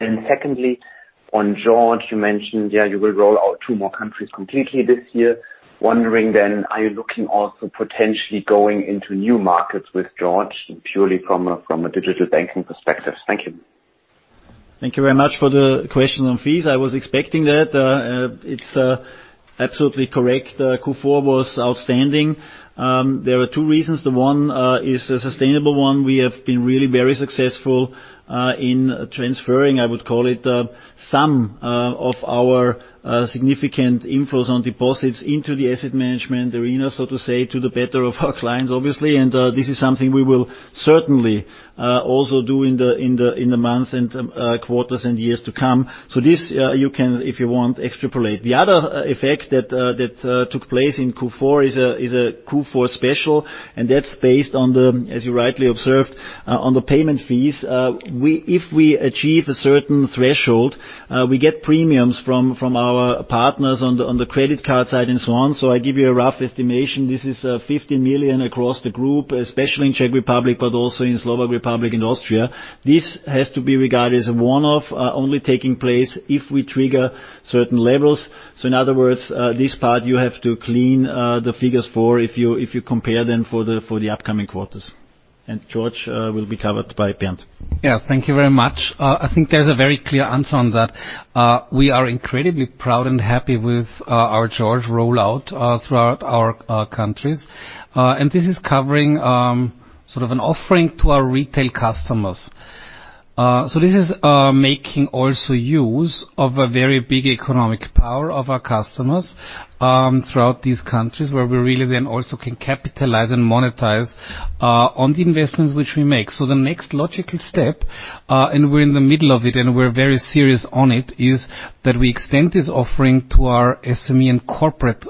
Speaker 7: Secondly, on George, you mentioned you will roll out two more countries completely this year. Wondering, are you looking also potentially going into new markets with George purely from a digital banking perspective? Thank you.
Speaker 4: Thank you very much for the question on fees. I was expecting that. It's absolutely correct. Q4 was outstanding. There were two reasons. The one is a sustainable one. We have been really very successful in transferring, I would call it, some of our significant inflows on deposits into the asset management arena, so to say, to the better of our clients, obviously. This is something we will certainly also do in the months and quarters and years to come. This you can, if you want, extrapolate. The other effect that took place in Q4 is a Q4 special, and that's based on the, as you rightly observed, on the payment fees. If we achieve a certain threshold, we get premiums from our partners on the credit card side and so on. I give you a rough estimation. This is 15 million across the group, especially in Czech Republic, also in Slovak Republic and Austria. This has to be regarded as a one-off, only taking place if we trigger certain levels. In other words, this part you have to clean the figures for if you compare them for the upcoming quarters. George will be covered by Bernd.
Speaker 3: Yeah. Thank you very much. I think there's a very clear answer on that. We are incredibly proud and happy with our George rollout throughout our countries. This is covering sort of an offering to our retail customers. This is making also use of a very big economic power of our customers throughout these countries where we really then also can capitalize and monetize on the investments which we make. The next logical step, and we're in the middle of it and we're very serious on it, is that we extend this offering to our SME and corporate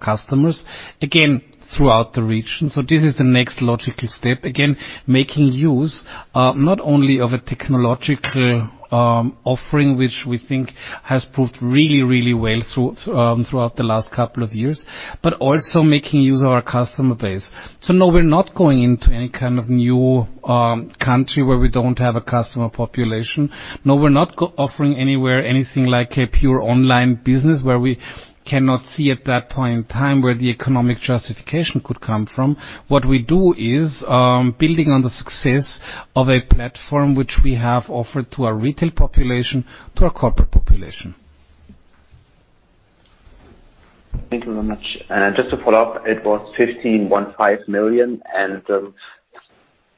Speaker 3: customers, again throughout the region. This is the next logical step, again, making use not only of a technological offering, which we think has proved really well throughout the last couple of years, but also making use of our customer base. No, we're not going into any kind of new country where we don't have a customer population. No, we're not offering anywhere anything like a pure online business where we cannot see at that point in time where the economic justification could come from. What we do is building on the success of a platform which we have offered to our retail population, to our corporate population.
Speaker 7: Thank you very much. Just to follow up, it was 15.5 million, and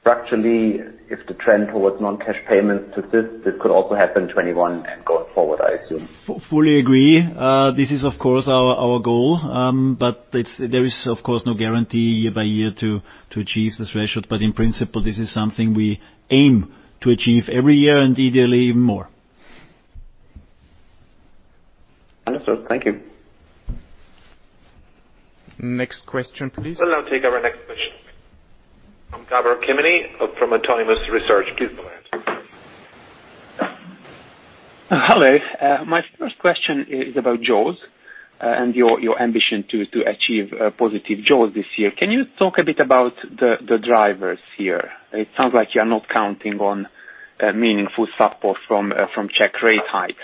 Speaker 7: structurally, if the trend towards non-cash payments exists, this could also happen 2021 and going forward, I assume.
Speaker 4: Fully agree. This is of course our goal, there is of course no guarantee year by year to achieve this ratio. In principle, this is something we aim to achieve every year and ideally more.
Speaker 7: Understood. Thank you.
Speaker 2: Next question, please.
Speaker 1: We'll now take our next question. Gabor Kemeny from Autonomous Research. Please go ahead.
Speaker 8: Hello. My first question is about jaws and your ambition to achieve positive jaws this year. Can you talk a bit about the drivers here? It sounds like you're not counting on meaningful support from Czech rate hikes.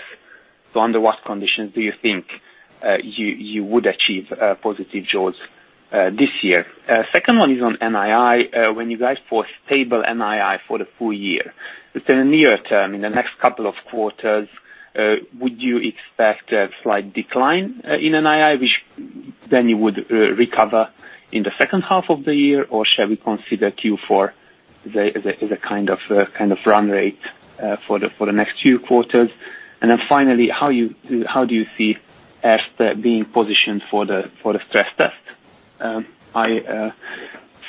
Speaker 8: Under what conditions do you think you would achieve a positive jaws this year? Second one is on NII, when you guys for stable NII for the full year, but in the near term, in the next couple of quarters, would you expect a slight decline in NII, which then you would recover in the second half of the year? Shall we consider Q4 as a kind of run rate for the next few quarters? Finally, how do you see Erste being positioned for the stress test? I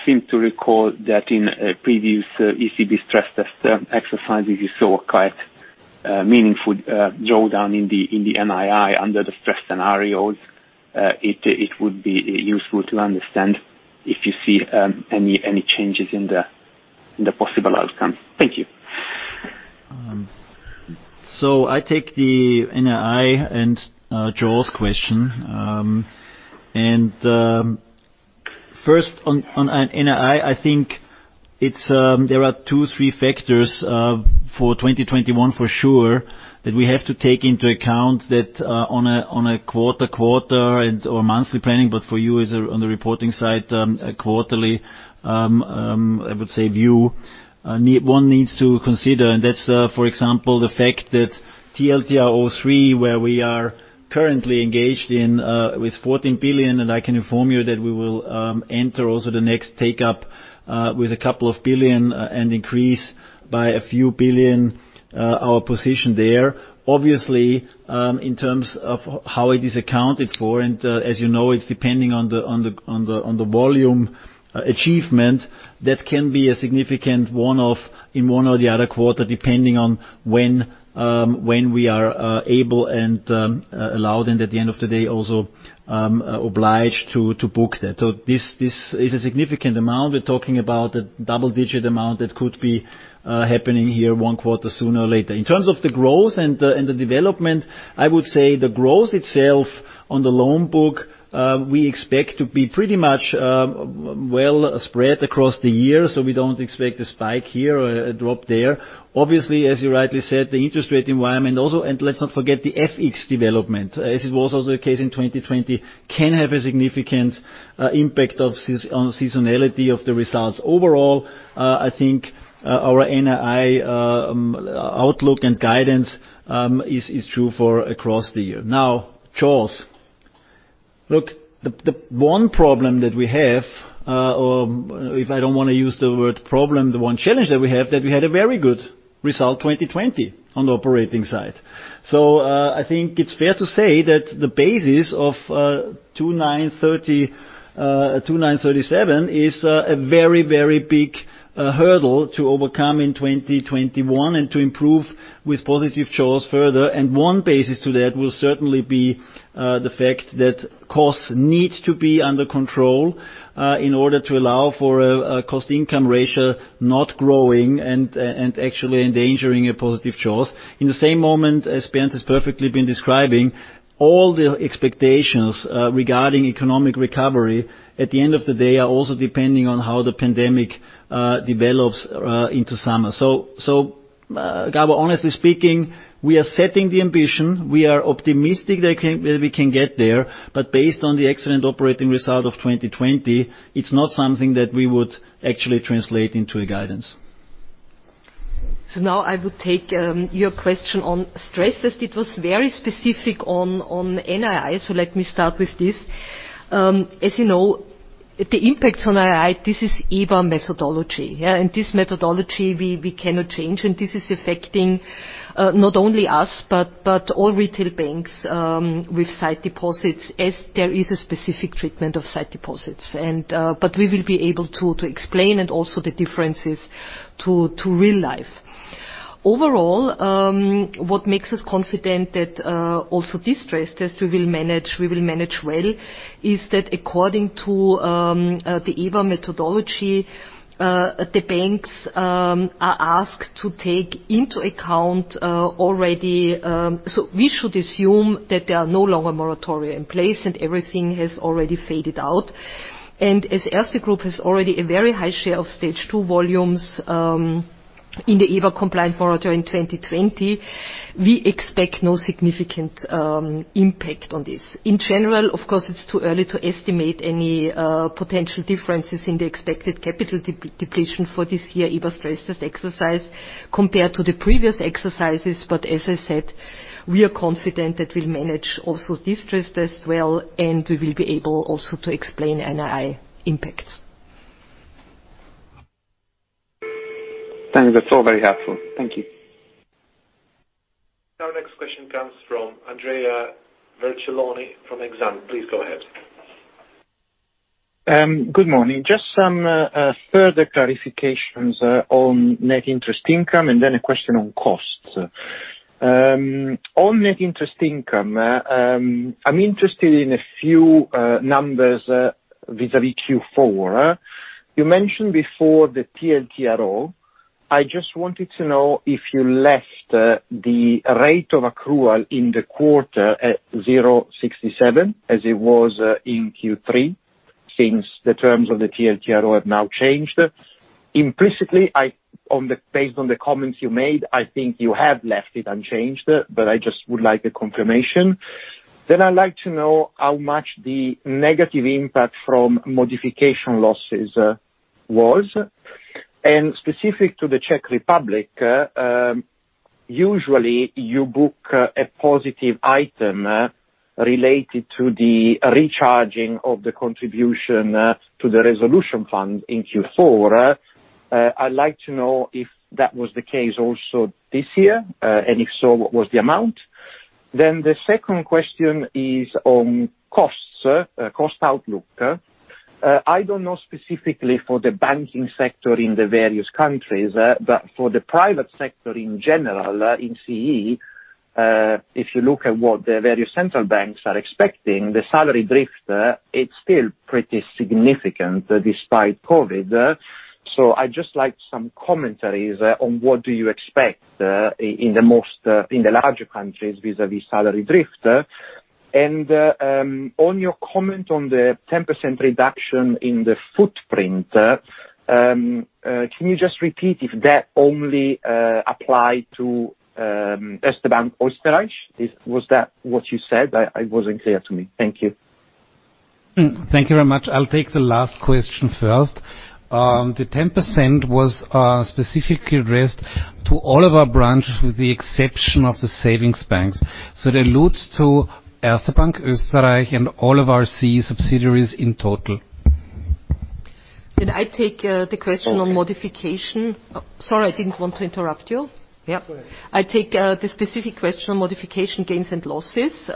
Speaker 8: seem to recall that in previous ECB stress test exercises, you saw a quite meaningful drawdown in the NII under the stress scenarios. It would be useful to understand if you see any changes in the possible outcome. Thank you.
Speaker 4: I take the NII and jaws question. First on NII, I think there are two, three factors for 2021 for sure that we have to take into account that on a quarter or monthly planning, but for you as on the reporting side, quarterly, I would say view, one needs to consider, and that's, for example, the fact that TLTRO III where we are currently engaged in with 14 billion, and I can inform you that we will enter also the next take up with a couple of billion and increase by a few billion our position there. Obviously, in terms of how it is accounted for, and as you know, it's depending on the volume achievement, that can be a significant one-off in one or the other quarter, depending on when we are able and allowed and at the end of the day, also obliged to book that. This is a significant amount. We're talking about a double-digit amount that could be happening here one quarter sooner or later. In terms of the growth and the development, I would say the growth itself on the loan book, we expect to be pretty much well spread across the year. We don't expect a spike here or a drop there. Obviously, as you rightly said, the interest rate environment also, and let's not forget the FX development, as it was also the case in 2020, can have a significant impact on seasonality of the results. Overall, I think our NII outlook and guidance is true for across the year. jaws. Look, the one problem that we have, or if I don't want to use the word problem, the one challenge that we have, that we had a very good result 2020 on the operating side. I think it's fair to say that the basis of 2,937 is a very big hurdle to overcome in 2021 and to improve with positive jaws further. One basis to that will certainly be the fact that costs need to be under control in order to allow for a cost income ratio not growing and actually endangering a positive jaws. In the same moment as Bernd has perfectly been describing, all the expectations regarding economic recovery at the end of the day are also depending on how the pandemic develops into summer. Gabor, honestly speaking, we are setting the ambition. We are optimistic that we can get there, but based on the excellent operating result of 2020, it is not something that we would actually translate into a guidance.
Speaker 5: Now I would take your question on stress test. It was very specific on NII, so let me start with this. As you know. The impact on NII, this is EBA methodology. This methodology, we cannot change, this is affecting not only us, but all retail banks with sight deposits as there is a specific treatment of sight deposits. We will be able to explain and also the differences to real life. Overall, what makes us confident that also this stress test we will manage well is that according to the EBA methodology, the banks are asked to take into account already. We should assume that there are no longer moratoria in place and everything has already faded out. As Erste Group has already a very high share of Stage 2 volumes in the EBA compliant moratoria in 2020, we expect no significant impact on this. In general, of course, it is too early to estimate any potential differences in the expected capital depletion for this year EBA stress test exercise compared to the previous exercises, but as I said, we are confident that we will manage also this stress test well, and we will be able also to explain NII impacts.
Speaker 8: Thanks. That's all very helpful. Thank you.
Speaker 1: Our next question comes from Andrea Vercellone from Exane. Please go ahead.
Speaker 9: Good morning. Just some further clarifications on net interest income and then a question on costs. On net interest income, I'm interested in a few numbers vis-à-vis Q4. You mentioned before the TLTRO. I just wanted to know if you left the rate of accrual in the quarter at 0.67 as it was in Q3 since the terms of the TLTRO have now changed. Implicitly, based on the comments you made, I think you have left it unchanged, but I just would like a confirmation. I'd like to know how much the negative impact from modification losses was, and specific to the Czech Republic, usually you book a positive item related to the recharging of the contribution to the resolution fund in Q4. I'd like to know if that was the case also this year, and if so, what was the amount? The second question is on costs, cost outlook. I don't know specifically for the banking sector in the various countries, but for the private sector in general in CE, if you look at what the various central banks are expecting, the salary drift, it's still pretty significant despite COVID. I'd just like some commentaries on what do you expect in the larger countries vis-à-vis salary drift. On your comment on the 10% reduction in the footprint, can you just repeat if that only apply to Erste Bank Österreich? Was that what you said? It wasn't clear to me. Thank you.
Speaker 4: Thank you very much. I'll take the last question first. The 10% was specifically addressed to all of our branches with the exception of the savings banks. That alludes to Erste Bank Österreich and all of our CE subsidiaries in total.
Speaker 5: Can I take the question on modification? Oh, sorry, I didn't want to interrupt you. Yep.
Speaker 4: Go ahead.
Speaker 5: I take the specific question on modification gains and losses.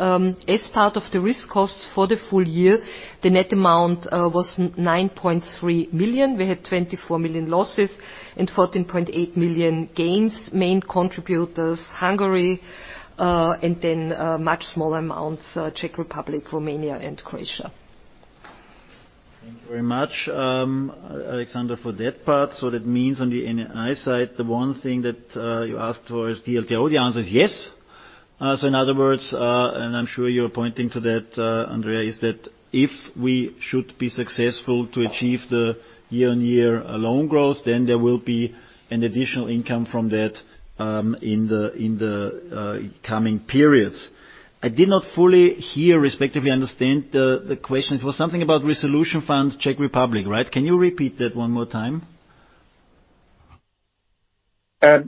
Speaker 5: As part of the risk costs for the full year, the net amount was 9.3 million. We had 24 million losses and 14.8 million gains. Main contributors, Hungary, and then much smaller amounts, Czech Republic, Romania and Croatia.
Speaker 4: Thank you very much, Alexandra, for that part. That means on the NII side, the one thing that you asked for is TLTRO. The answer is yes. In other words, and I'm sure you're pointing to that, Andrea, is that if we should be successful to achieve the year-on-year loan growth, then there will be an additional income from that in the coming periods. I did not fully hear, respectively understand the question. It was something about resolution fund Czech Republic, right? Can you repeat that one more time?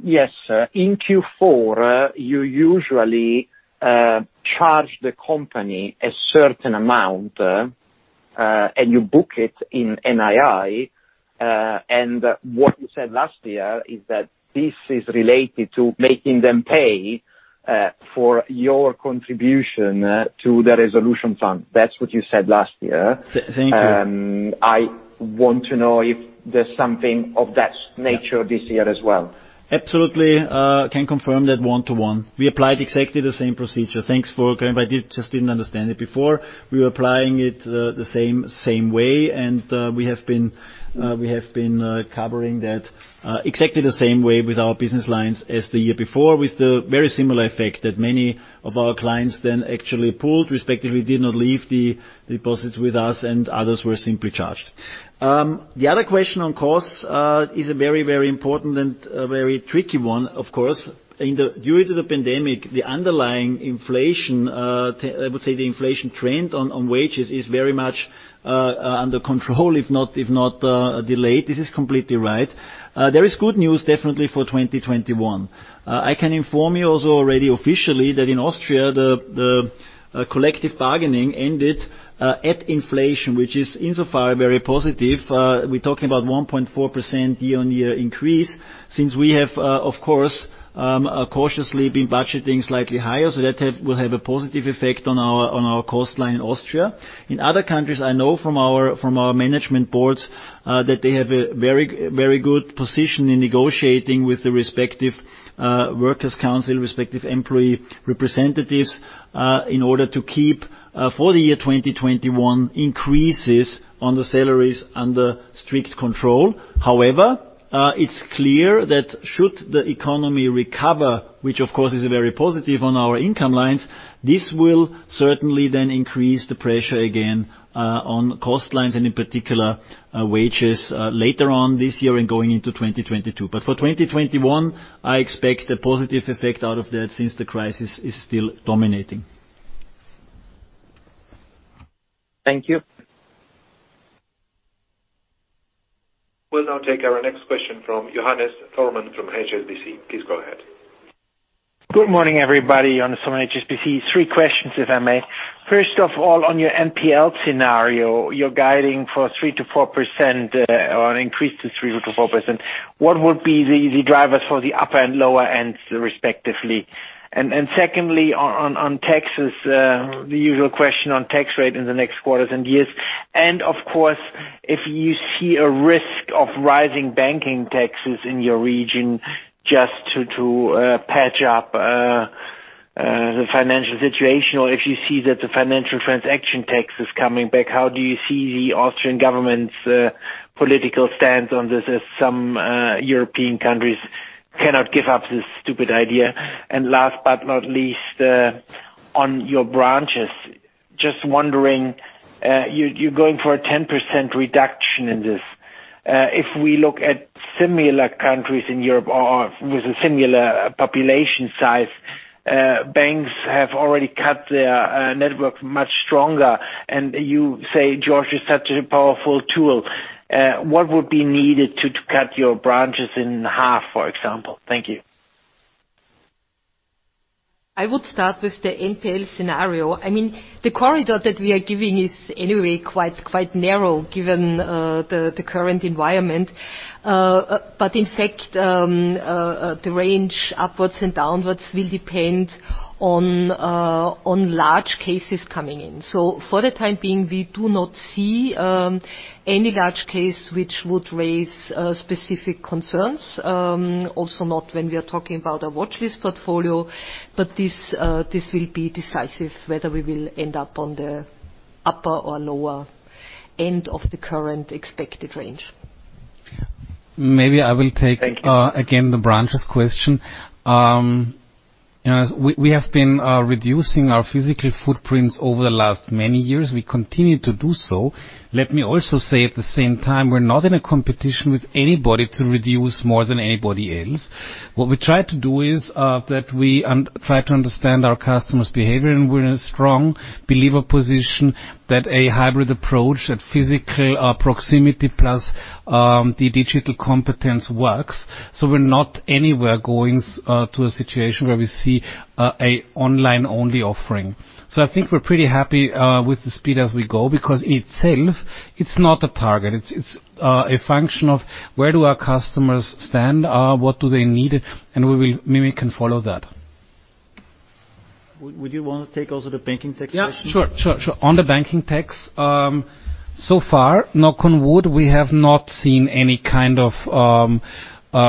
Speaker 9: Yes. In Q4, you usually charge the company a certain amount, and you book it in NII. What you said last year is that this is related to making them pay for your contribution to the resolution fund. That's what you said last year.
Speaker 4: Thank you.
Speaker 9: I want to know if there's something of that nature this year as well.
Speaker 4: Absolutely. Can confirm that one-to-one. We applied exactly the same procedure. Thanks for clarifying. I just didn't understand it before. We were applying it the same way, and we have been covering that exactly the same way with our business lines as the year before, with the very similar effect that many of our clients then actually pulled, respectively, did not leave the deposits with us and others were simply charged. The other question on costs is a very important and very tricky one, of course. Due to the pandemic, the underlying inflation, I would say the inflation trend on wages is very much under control, if not delayed. This is completely right. There is good news definitely for 2021. I can inform you also already officially that in Austria the collective bargaining ended at inflation, which is insofar very positive. We're talking about 1.4% year-on-year increase since we have, of course, cautiously been budgeting slightly higher, so that will have a positive effect on our cost line in Austria. In other countries, I know from our management boards that they have a very good position in negotiating with the respective workers council, respective employee representatives, in order to keep, for the year 2021, increases on the salaries under strict control. However, it's clear that should the economy recover, which of course is very positive on our income lines, this will certainly then increase the pressure again on cost lines and in particular, wages later on this year and going into 2022. For 2021, I expect a positive effect out of that since the crisis is still dominating.
Speaker 9: Thank you.
Speaker 1: We'll now take our next question from Johannes Thormann from HSBC. Please go ahead.
Speaker 10: Good morning, everybody. Johannes Thormann, HSBC. Three questions, if I may. First of all, on your NPL scenario, you're guiding for 3%-4%, or an increase to 3%-4%. What would be the drivers for the upper and lower ends, respectively? Secondly, on taxes, the usual question on tax rate in the next quarters and years. Of course, if you see a risk of rising banking taxes in your region just to patch up the financial situation, or if you see that the financial transaction tax is coming back, how do you see the Austrian government's political stance on this, as some European countries cannot give up this stupid idea? Last but not least, on your branches. Just wondering, you're going for a 10% reduction in this. If we look at similar countries in Europe or with a similar population size, banks have already cut their network much stronger. You say George is such a powerful tool. What would be needed to cut your branches in half, for example? Thank you.
Speaker 5: I would start with the NPL scenario. The corridor that we are giving is anyway quite narrow given the current environment. In fact, the range upwards and downwards will depend on large cases coming in. For the time being, we do not see any large case which would raise specific concerns. Also not when we are talking about a watchlist portfolio, but this will be decisive whether we will end up on the upper or lower end of the current expected range.
Speaker 4: Maybe I will take.
Speaker 10: Thank you.
Speaker 4: Again, the branches question. We have been reducing our physical footprints over the last many years. We continue to do so. Let me also say at the same time, we're not in a competition with anybody to reduce more than anybody else. What we try to do is that we try to understand our customers' behavior, and we're in a strong believer position that a hybrid approach, that physical proximity plus the digital competence works. We're not anywhere going to a situation where we see an online-only offering. I think we're pretty happy with the speed as we go, because itself, it's not a target. It's a function of where do our customers stand, what do they need, and maybe we can follow that.
Speaker 3: Would you want to take also the banking tax question?
Speaker 4: Yeah, sure. On the banking tax, so far, knock on wood, we have not seen any kind of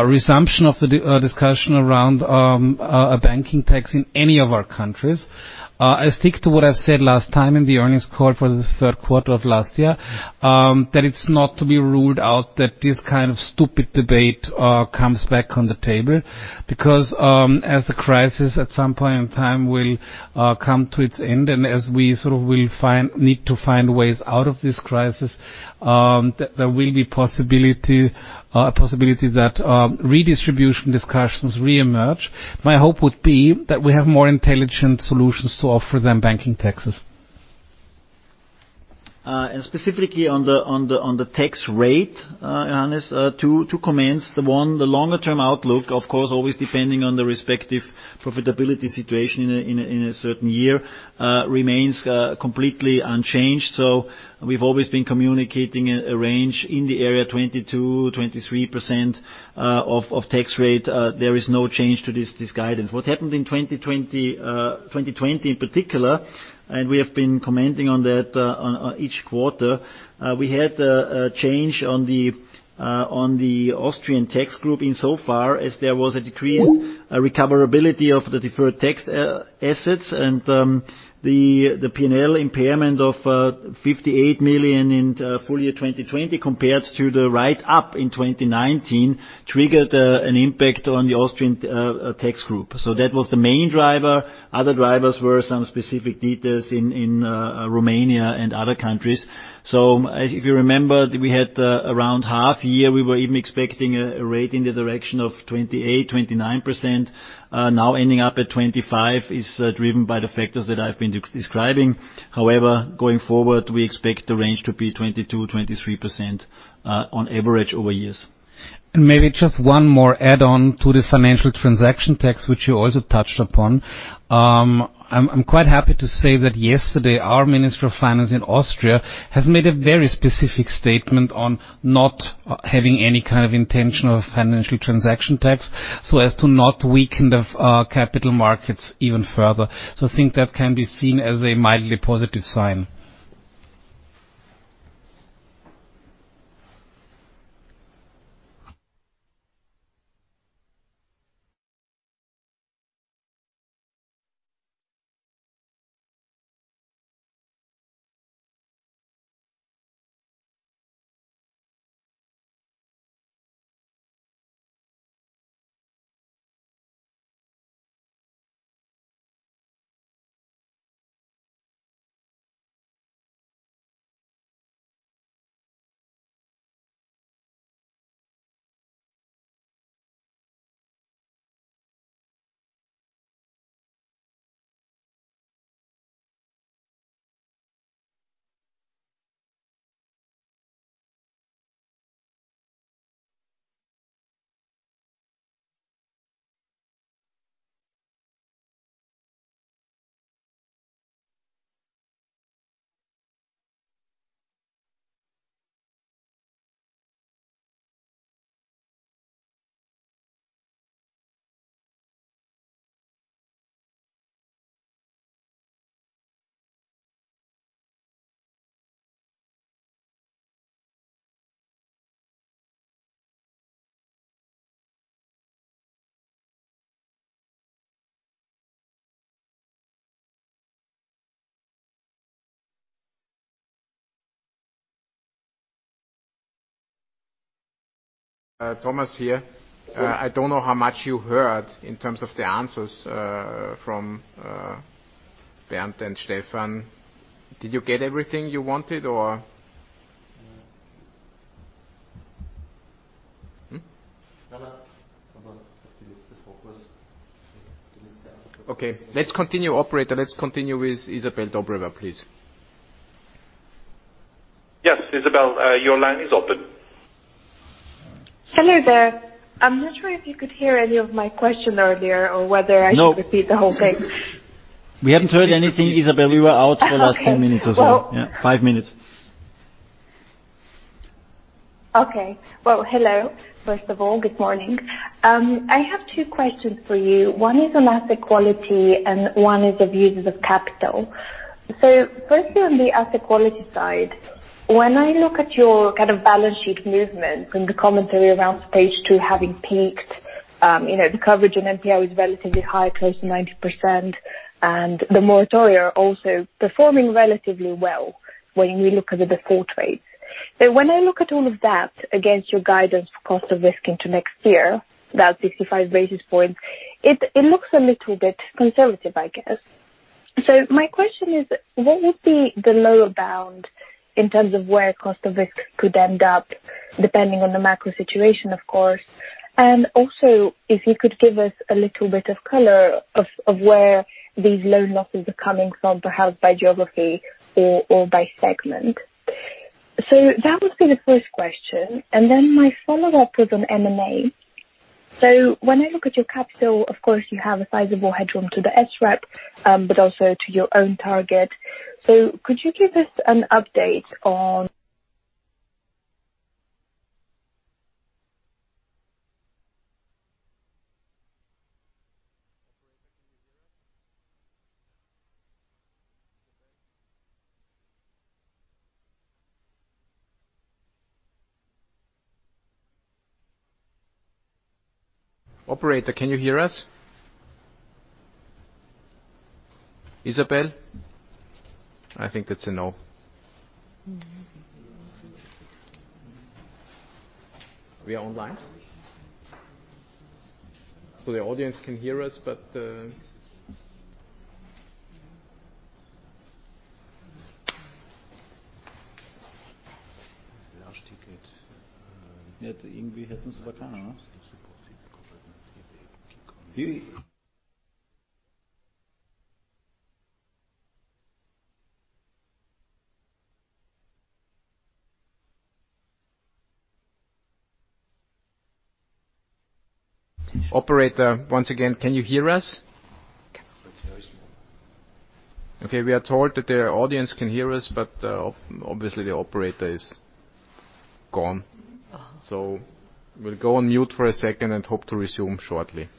Speaker 4: resumption of the discussion around a banking tax in any of our countries. I stick to what I said last time in the earnings call for the third quarter of last year, that it's not to be ruled out that this kind of stupid debate comes back on the table. As the crisis at some point in time will come to its end, and as we sort of will need to find ways out of this crisis, there will be a possibility that redistribution discussions reemerge. My hope would be that we have more intelligent solutions to offer than banking taxes. Specifically on the tax rate, Johannes, to comments on, the longer-term outlook, of course, always depending on the respective profitability situation in a certain year, remains completely unchanged. We've always been communicating a range in the area 22%-23% of tax rate. There is no change to this guidance. What happened in 2020 in particular, and we have been commenting on that on each quarter, we had a change on the Austrian tax group insofar as there was a decreased recoverability of the deferred tax assets and the P&L impairment of 58 million in full year 2020 compared to the write-up in 2019 triggered an impact on the Austrian tax group. That was the main driver. Other drivers were some specific details in Romania and other countries. If you remember, we had around half year, we were even expecting a rate in the direction of 28%-29%. Now ending up at 25% is driven by the factors that I've been describing. However, going forward, we expect the range to be 22%, 23% on average over years.
Speaker 3: Maybe just one more add-on to the financial transaction tax, which you also touched upon. I am quite happy to say that yesterday, our Ministry of Finance in Austria has made a very specific statement on not having any kind of intention of financial transaction tax so as to not weaken the capital markets even further. I think that can be seen as a mildly positive sign.
Speaker 2: Thomas here. I don't know how much you heard in terms of the answers from Bernd and Stefan. Did you get everything you wanted? Okay, let's continue. Operator, let's continue with Izabel Dobreva, please.
Speaker 1: Yes, Izabel, your line is open.
Speaker 11: Hello there. I'm not sure if you could hear any of my question earlier or whether I should repeat the whole thing.
Speaker 2: No. We haven't heard anything, Izabel. We were out for the last 10 minutes or so.
Speaker 11: Okay.
Speaker 2: Yeah, five minutes.
Speaker 11: Okay. Well, hello. First of all, good morning. I have two questions for you. One is on asset quality and one is of uses of capital. Firstly, on the asset quality side, when I look at your balance sheet movements and the commentary around Stage 2 having peaked, the coverage on NPL is relatively high, close to 90%, and the moratoria are also performing relatively well when we look at the default rates. When I look at all of that against your guidance for cost of risk into next year, that 65 basis points, it looks a little bit conservative, I guess. My question is, what would be the lower bound in terms of where cost of risk could end up, depending on the macro situation, of course? Also, if you could give us a little bit of color of where these loan losses are coming from, perhaps by geography or by segment. That would be the first question, and then my follow-up was on M&A. When I look at your capital, of course, you have a sizable headroom to the SREP, but also to your own target. Could you give us an update on.
Speaker 2: Operator, can you hear us? Izabel? I think that's a no. We are on line? The audience can hear us, but Operator, once again, can you hear us? We are told that the audience can hear us, but obviously the operator is gone. We'll go on mute for a second and hope to resume shortly. Thank you.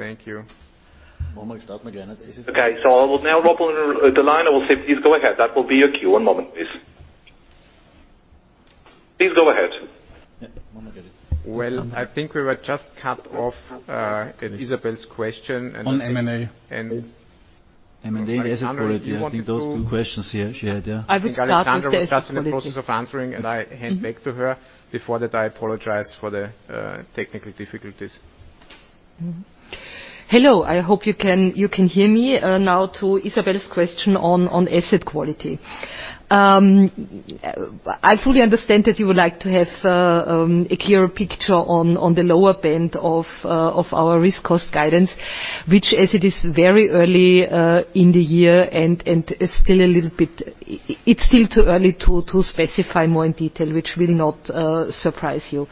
Speaker 1: Okay. I will now open the line. I will say, "Please go ahead." That will be your cue. One moment, please. Please go ahead.
Speaker 3: Well, I think we were just cut off at Izabel's question.
Speaker 2: On M&A.
Speaker 3: Alexandra?
Speaker 2: M&A asset quality. I think those two questions she had, yeah.
Speaker 5: I would start with the asset quality.
Speaker 3: I think Alexandra was just in the process of answering, and I hand back to her. Before that, I apologize for the technical difficulties.
Speaker 5: Hello, I hope you can hear me. To Izabel's question on asset quality. I fully understand that you would like to have a clearer picture on the lower end of our risk cost guidance, which as it is very early in the year and it's still too early to specify more in detail, which will not surprise you.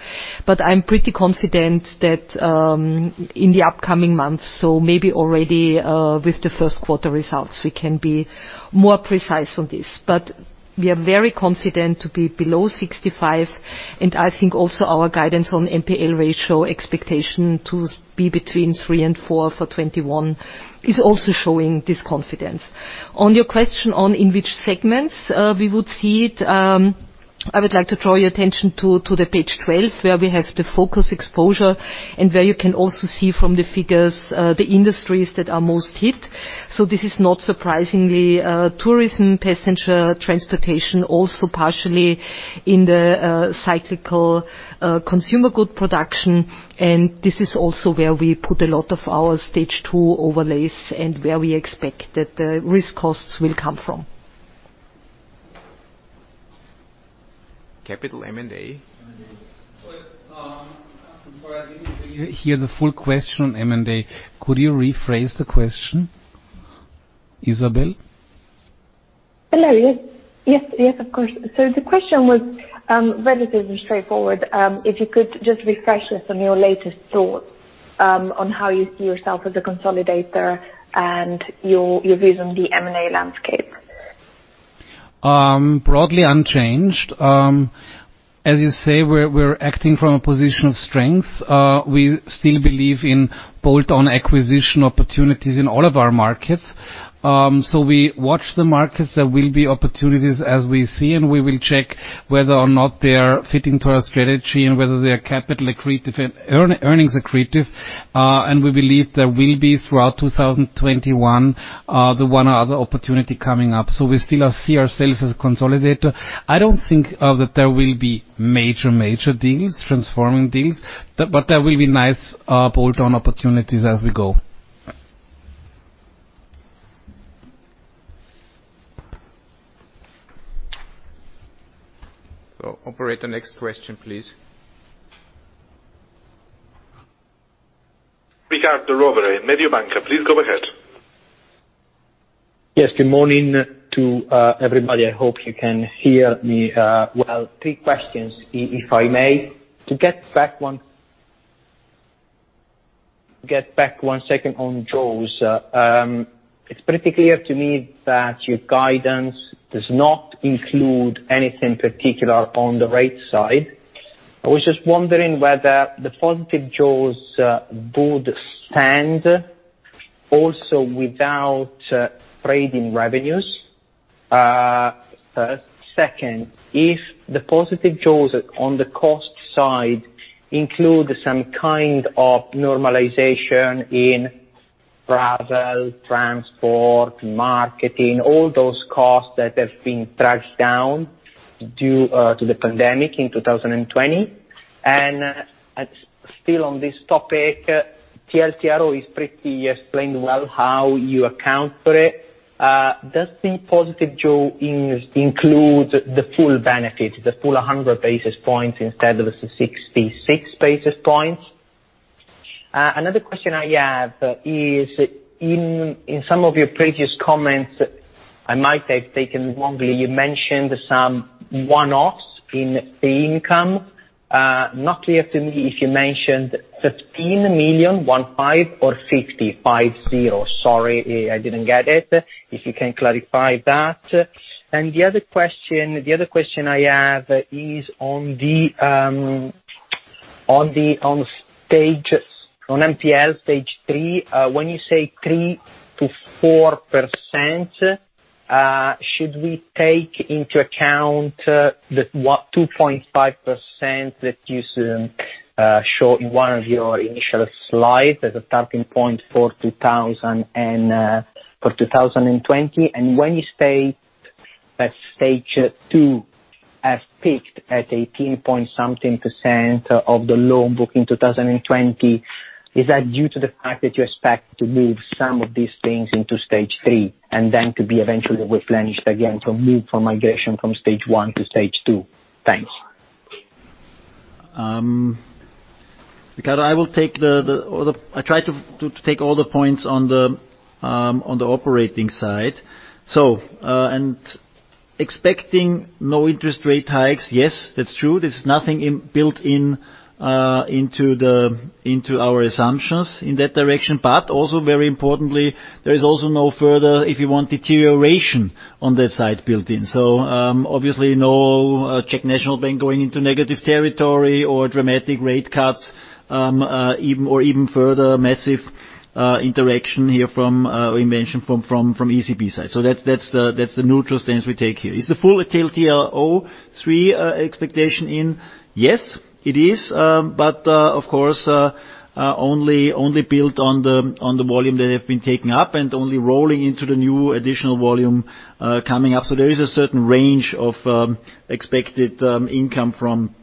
Speaker 5: I'm pretty confident that in the upcoming months, so maybe already with the first quarter results, we can be more precise on this. We are very confident to be below 65, and I think also our guidance on NPL ratio expectation to be between three and four for 2021 is also showing this confidence. On your question on in which segments we would see it, I would like to draw your attention to the page 12 where we have the focus exposure and where you can also see from the figures, the industries that are most hit. This is not surprisingly tourism, passenger transportation, also partially in the cyclical consumer good production, and this is also where we put a lot of our Stage 2 overlays and where we expect that the risk costs will come from.
Speaker 2: Capital M&A.
Speaker 3: I'm sorry, I didn't hear the full question on M&A. Could you rephrase the question, Izabel?
Speaker 11: Hello. Yes. Of course. The question was relatively straightforward. If you could just refresh us on your latest thoughts on how you see yourself as a consolidator and your view on the M&A landscape.
Speaker 3: Broadly unchanged. As you say, we're acting from a position of strength. We still believe in bolt-on acquisition opportunities in all of our markets. We watch the markets. There will be opportunities as we see, and we will check whether or not they're fitting to our strategy and whether they're capital accretive and earnings accretive. And we believe there will be, throughout 2021, the one other opportunity coming up. We still see ourselves as a consolidator. I don't think that there will be major deals, transforming deals, but there will be nice bolt-on opportunities as we go.
Speaker 2: Operator, next question, please.
Speaker 1: Riccardo Rovere, Mediobanca. Please go ahead.
Speaker 12: Yes. Good morning to everybody. I hope you can hear me well. Three questions, if I may. To get back one second on jaws. It's pretty clear to me that your guidance does not include anything particular on the rate side. I was just wondering whether the positive jaws would stand also without trading revenues, first. Second, if the positive jaws on the cost side include some kind of normalization in travel, transport, marketing, all those costs that have been thrashed down due to the pandemic in 2020. Still on this topic, TLTRO is pretty explained well how you account for it. Does the positive jaws include the full benefit, the full 100 basis points instead of 66 basis points? Another question I have is, in some of your previous comments, I might have taken wrongly, you mentioned some one-offs in income. Not clear to me if you mentioned 15 million, one, five, or 50, five, zero. Sorry, I didn't get it. If you can clarify that. The other question I have is on NPL Stage 3, when you say 3%-4%, should we take into account the 2.5% that you show in one of your initial slides as a starting point for 2020? When you say that Stage 2 has peaked at 18 point something percent of the loan book in 2020. Is that due to the fact that you expect to move some of these things into Stage 3, and then to be eventually replenished again from migration from Stage 1 to Stage 2? Thanks.
Speaker 4: Riccardo, I try to take all the points on the operating side. Expecting no interest rate hikes, yes, that's true. There's nothing built in into our assumptions in that direction. Also very importantly, there is also no further, if you want deterioration, on that side built-in. Obviously no Czech National Bank going into negative territory or dramatic rate cuts or even further massive interaction here from ECB side. That's the neutral stance we take here. Is the full TLTRO III expectation in? Yes, it is. Of course, only built on the volume that they have been taking up and only rolling into the new additional volume coming up. There is a certain range of expected income from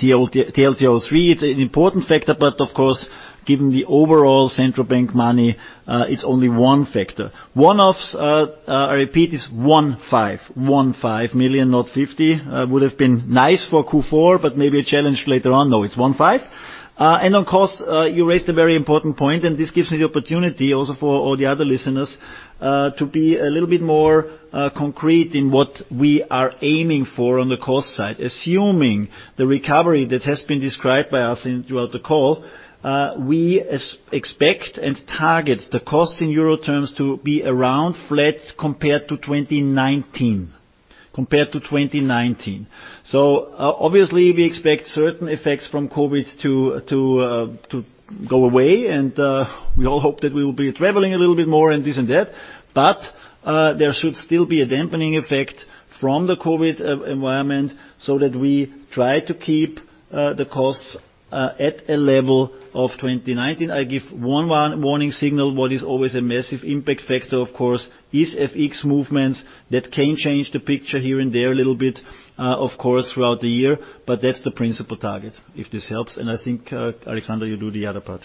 Speaker 4: TLTRO III. It's an important factor, but of course, given the overall central bank money, it's only one factor. One-offs, I repeat, is one five. 15 million, not 50. Would have been nice for Q4, but maybe a challenge later on, though. It's 15 million. On cost, you raised a very important point, and this gives me the opportunity also for all the other listeners, to be a little bit more concrete in what we are aiming for on the cost side. Assuming the recovery that has been described by us throughout the call, we expect and target the costs in euro terms to be around flat compared to 2019. Obviously we expect certain effects from COVID to go away, and we all hope that we will be traveling a little bit more and this and that. There should still be a dampening effect from the COVID environment so that we try to keep the costs at a level of 2019. I give one warning signal, what is always a massive impact factor, of course, is FX movements that can change the picture here and there a little bit of course, throughout the year, but that's the principle target. If this helps. I think, Alexandra, you do the other part.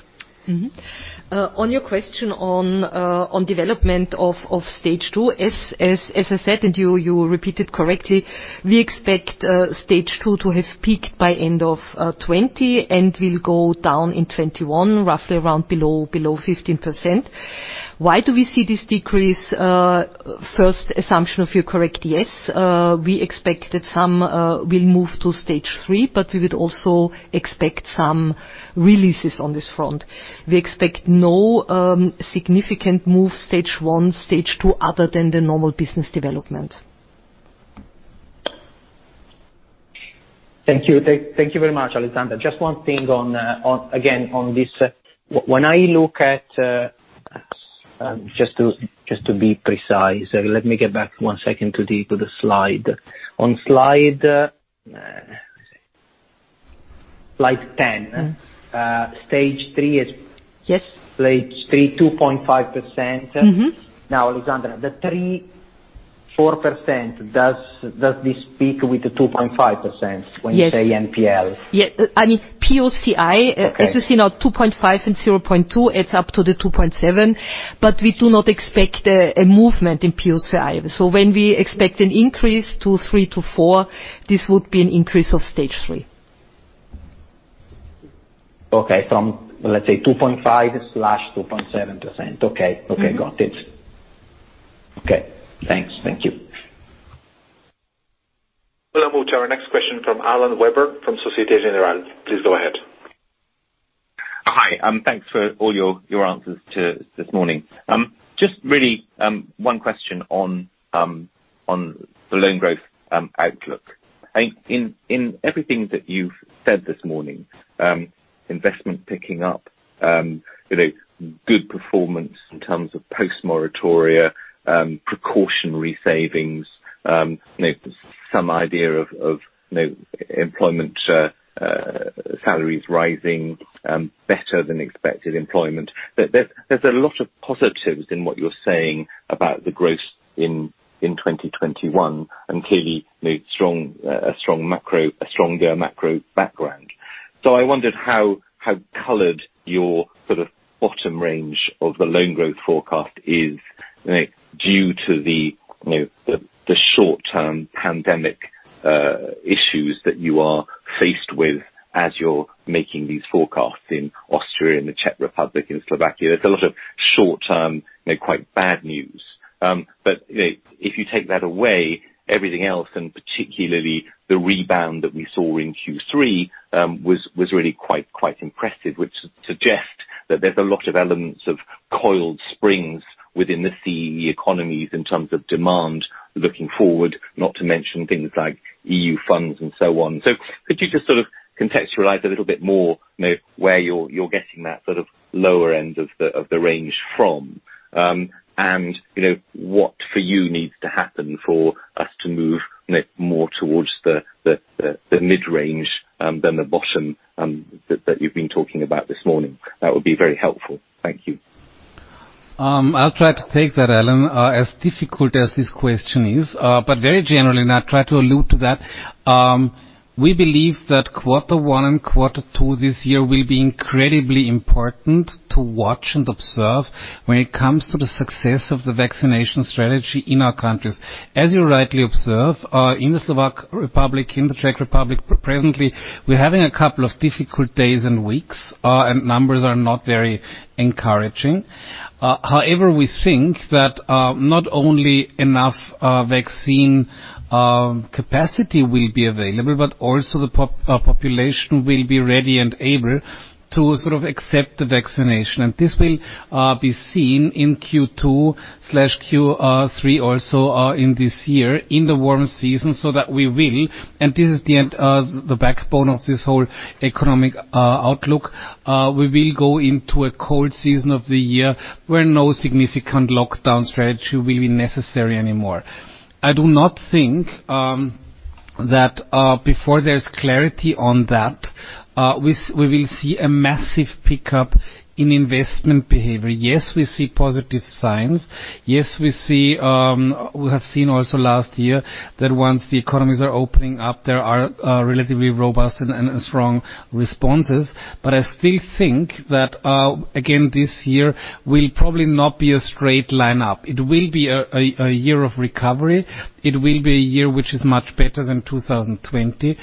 Speaker 5: On your question on development of Stage 2, as I said, and you repeated correctly, we expect Stage 2 to have peaked by end of 2020, and will go down in 2021, roughly around below 15%. Why do we see this decrease? First assumption, if you're correct, yes, we expect that some will move to Stage 3, but we would also expect some releases on this front. We expect no significant move Stage 1, Stage 2, other than the normal business development.
Speaker 12: Thank you very much, Alexandra. Just one thing, again, on this. Just to be precise, let me get back one second to the slide. On slide 10. Stage 3 is.
Speaker 5: Yes.
Speaker 12: Stage 3, 2.5%. Alexandra, the 3%-4%, does this peak with the 2.5% when you say NPL?
Speaker 5: Yes. I mean, POCI. You see now, 2.5% and 0.2% adds up to the 2.7%, we do not expect a movement in POCI. When we expect an increase to three to four, this would be an increase of Stage 3.
Speaker 12: Okay. From, let's say, 2.5%-2.7%. Okay, got it. Okay, thanks. Thank you.
Speaker 1: We'll now move to our next question from Alan Webborn, from Societe Generale. Please go ahead.
Speaker 13: Hi, thanks for all your answers this morning. Just really one question on the loan growth outlook. In everything that you've said this morning, investment picking up, good performance in terms of post-moratoria, precautionary savings, some idea of employment salaries rising, better than expected employment. There's a lot of positives in what you're saying about the growth in 2021, and clearly a stronger macro background. I wondered how colored your bottom range of the loan growth forecast is due to the short-term pandemic issues that you are faced with as you're making these forecasts in Austria, in the Czech Republic, in Slovakia. There's a lot of short-term, quite bad news. If you take that away, everything else, and particularly the rebound that we saw in Q3, was really quite impressive, which suggests that there's a lot of elements of coiled springs within the CE economies in terms of demand looking forward, not to mention things like EU funds and so on. Could you just contextualize a little bit more where you're getting that lower end of the range from? What for you needs to happen for us to move more towards the mid-range than the bottom that you've been talking about this morning? That would be very helpful. Thank you.
Speaker 3: I'll try to take that, Alan, as difficult as this question is. Very generally, and I try to allude to that, we believe that quarter one and quarter two this year will be incredibly important to watch and observe when it comes to the success of the vaccination strategy in our countries. As you rightly observe, in the Slovak Republic, in the Czech Republic, presently, we're having a couple of difficult days and weeks, and numbers are not very encouraging. However, we think that not only enough vaccine capacity will be available, but also the population will be ready and able to accept the vaccination. This will be seen in Q2/Q3 or so in this year, in the warm season, so that we will, and this is the backbone of this whole economic outlook, we will go into a cold season of the year where no significant lockdown strategy will be necessary anymore. I do not think that before there's clarity on that, we will see a massive pickup in investment behavior. Yes, we see positive signs. Yes, we have seen also last year that once the economies are opening up, there are relatively robust and strong responses. I still think that, again, this year will probably not be a straight line up. It will be a year of recovery. It will be a year which is much better than 2020.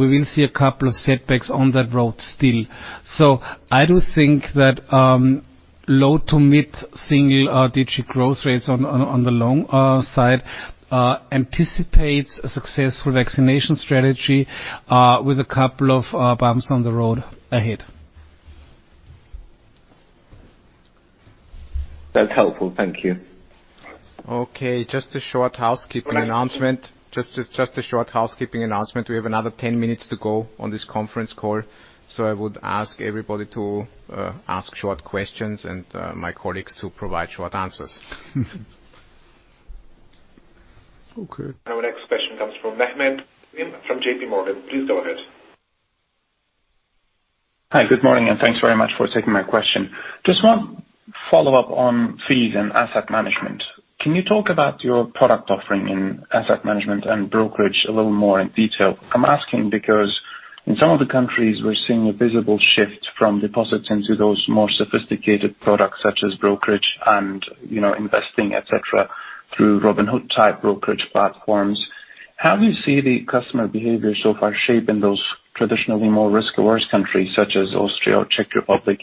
Speaker 3: We will see a couple of setbacks on that road still. I do think that low to mid-single-digit growth rates on the loan side anticipates a successful vaccination strategy with a couple of bumps on the road ahead.
Speaker 13: That's helpful. Thank you.
Speaker 3: Okay. Just a short housekeeping announcement. We have another 10 minutes to go on this conference call, so I would ask everybody to ask short questions and my colleagues to provide short answers.
Speaker 4: Okay.
Speaker 1: Our next question comes from Mehmet Sevim from J.P. Morgan. Please go ahead.
Speaker 14: Hi. Good morning, and thanks very much for taking my question. Just one follow-up on fees and asset management. Can you talk about your product offering in asset management and brokerage a little more in detail? I'm asking because in some of the countries, we're seeing a visible shift from deposits into those more sophisticated products, such as brokerage and investing, et cetera, through Robinhood-type brokerage platforms. How do you see the customer behavior so far shaping those traditionally more risk-averse countries such as Austria or Czech Republic?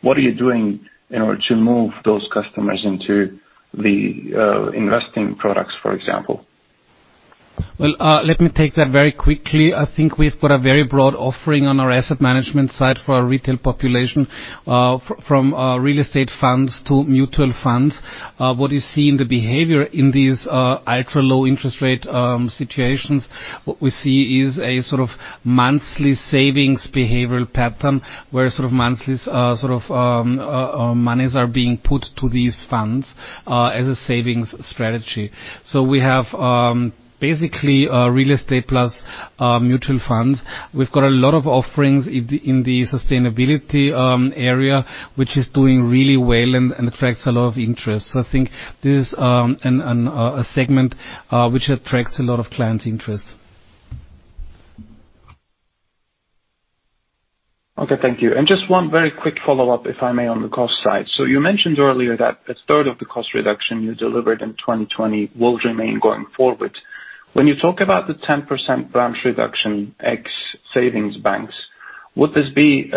Speaker 14: What are you doing in order to move those customers into the investing products, for example?
Speaker 3: Well, let me take that very quickly. I think we've got a very broad offering on our asset management side for our retail population, from real estate funds to mutual funds. What you see in the behavior in these ultra-low interest rate situations, what we see is a sort of monthly savings behavioral pattern, where monies are being put to these funds as a savings strategy. We have basically real estate plus mutual funds. We've got a lot of offerings in the sustainability area, which is doing really well and attracts a lot of interest. I think this is a segment which attracts a lot of client interest.
Speaker 14: Okay. Thank you. Just one very quick follow-up, if I may, on the cost side. You mentioned earlier that a third of the cost reduction you delivered in 2020 will remain going forward. When you talk about the 10% branch reduction, ex savings banks, would this be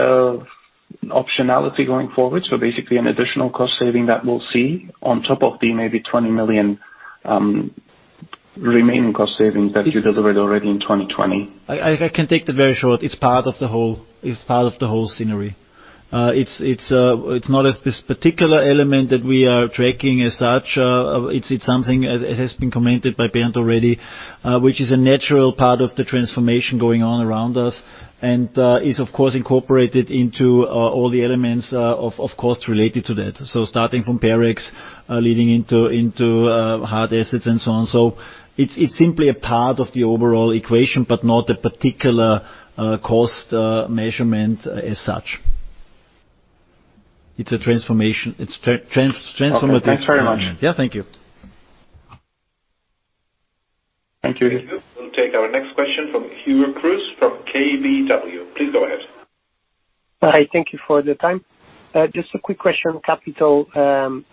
Speaker 14: optionality going forward? Basically, an additional cost saving that we'll see on top of the maybe 20 million remaining cost savings that you delivered already in 2020.
Speaker 4: I can take that very short. It's part of the whole scenery. It's not as this particular element that we are tracking as such. It's something, as has been commented by Bernd already, which is a natural part of the transformation going on around us and is, of course, incorporated into all the elements of cost related to that. Starting from PEREX, leading into hard assets and so on. It's simply a part of the overall equation, but not a particular cost measurement as such. It's a transformation. It's transformative.
Speaker 14: Okay. Thanks very much.
Speaker 4: Yeah. Thank you.
Speaker 1: Thank you. We'll take our next question from Hugo Cruz from KBW. Please go ahead.
Speaker 15: Hi. Thank you for the time. Just a quick question on capital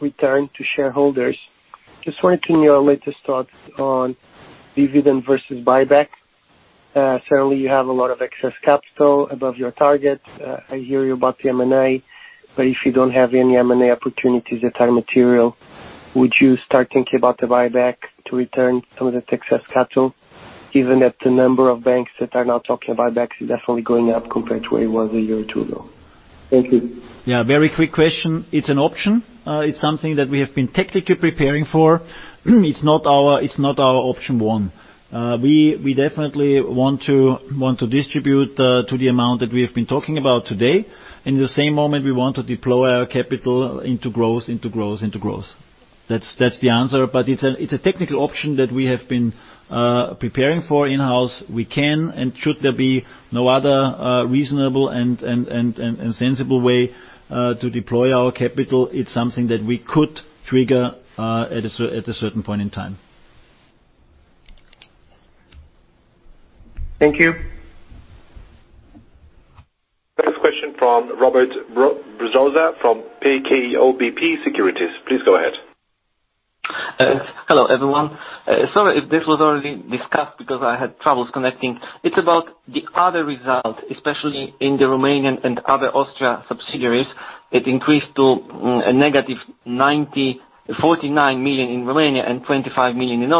Speaker 15: return to shareholders. Just wanted to know your latest thoughts on dividend versus buyback. Certainly, you have a lot of excess capital above your target. I hear you about the M&A, but if you don't have any M&A opportunities that are material, would you start thinking about the buyback to return some of the excess capital? Given that the number of banks that are now talking buybacks is definitely going up compared to where it was a year or two ago. Thank you.
Speaker 4: Yeah. Very quick question. It's an option. It's something that we have been technically preparing for. It's not our option one. We definitely want to distribute to the amount that we have been talking about today. In the same moment, we want to deploy our capital into growth, into growth, into growth. That's the answer. It's a technical option that we have been preparing for in-house. We can, and should there be no other reasonable and sensible way to deploy our capital, it's something that we could trigger at a certain point in time.
Speaker 15: Thank you.
Speaker 1: Next question from Robert Brzoza from PKO BP Securities. Please go ahead.
Speaker 16: Hello, everyone. Sorry if this was already discussed because I had troubles connecting. It's about the other result, especially in the Romanian and other Austrian subsidiaries. It increased to -49 million in Romania and 25 million in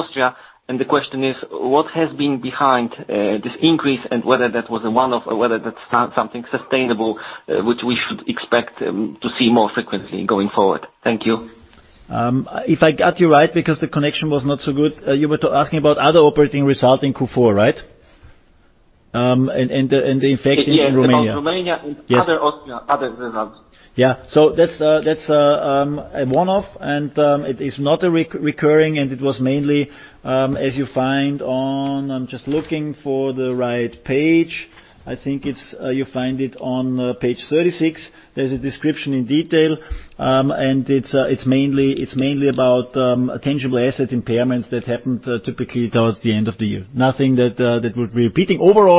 Speaker 16: Austria. The question is, what has been behind this increase and whether that was a one-off or whether that's something sustainable, which we should expect to see more frequently going forward. Thank you.
Speaker 4: If I got you right, because the connection was not so good, you were asking about other operating result in Q4, right? And the effect in Romania.
Speaker 16: Yes. About Romania and other Austria, other results.
Speaker 4: Yeah. That's a one-off, and it is not recurring, and it was mainly, as you find on I'm just looking for the right page. I think you find it on page 36. There's a description in detail. Overall,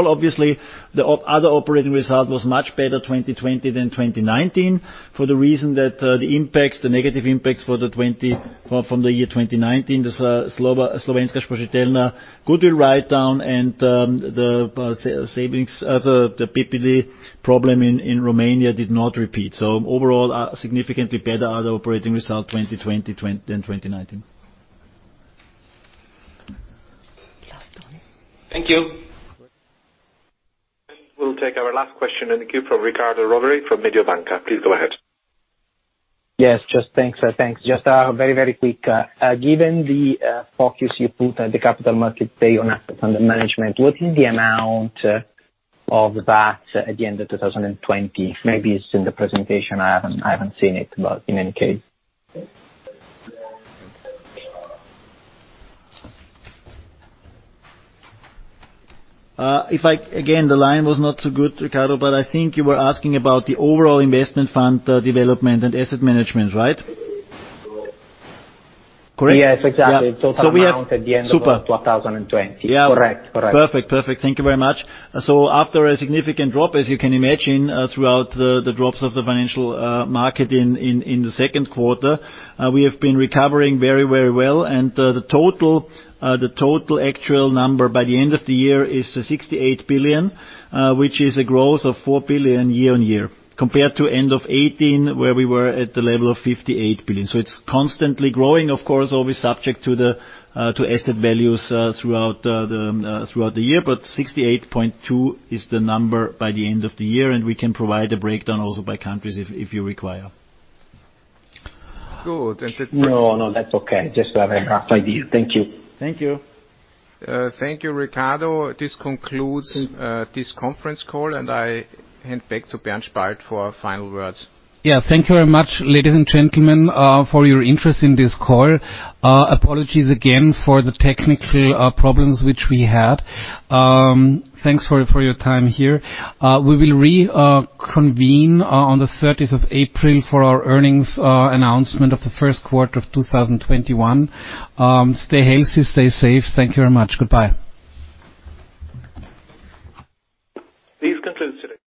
Speaker 4: obviously, the other operating result was much better 2020 than 2019, for the reason that the negative impacts from the year 2019, the Slovenská sporiteľňa goodwill write-down and the savings, the BpL problem in Romania did not repeat. Overall, significantly better other operating result 2020 than 2019.
Speaker 16: Thank you.
Speaker 1: We'll take our last question in the queue from Riccardo Rovere from Mediobanca. Please go ahead.
Speaker 12: Yes, thanks. Just very quick. Given the focus you put at the Capital Markets Day on assets under management, what is the amount of that at the end of 2020? Maybe it's in the presentation. I haven't seen it, but in any case.
Speaker 4: Again, the line was not so good, Riccardo, but I think you were asking about the overall investment fund development and asset management, right? Correct?
Speaker 12: Yes, exactly. Total amount at the end of 2020.
Speaker 4: Perfect. Thank you very much. After a significant drop, as you can imagine, throughout the drops of the financial market in the second quarter, we have been recovering very well, and the total actual number by the end of the year is 68 billion, which is a growth of 4 billion year-over-year, compared to end of 2018, where we were at the level of 58 billion. It's constantly growing, of course, always subject to asset values throughout the year, but 68.2 billion is the number by the end of the year, and we can provide a breakdown also by countries if you require.
Speaker 12: No, that's okay. Just to have a rough idea. Thank you.
Speaker 4: Thank you.
Speaker 2: Thank you, Riccardo. This concludes this conference call, and I hand back to Bernd Spalt for our final words.
Speaker 3: Yeah. Thank you very much, ladies and gentlemen, for your interest in this call. Apologies again for the technical problems which we had. Thanks for your time here. We will reconvene on the 30th of April for our earnings announcement of the first quarter of 2021. Stay healthy, stay safe. Thank you very much. Goodbye.
Speaker 1: This concludes today's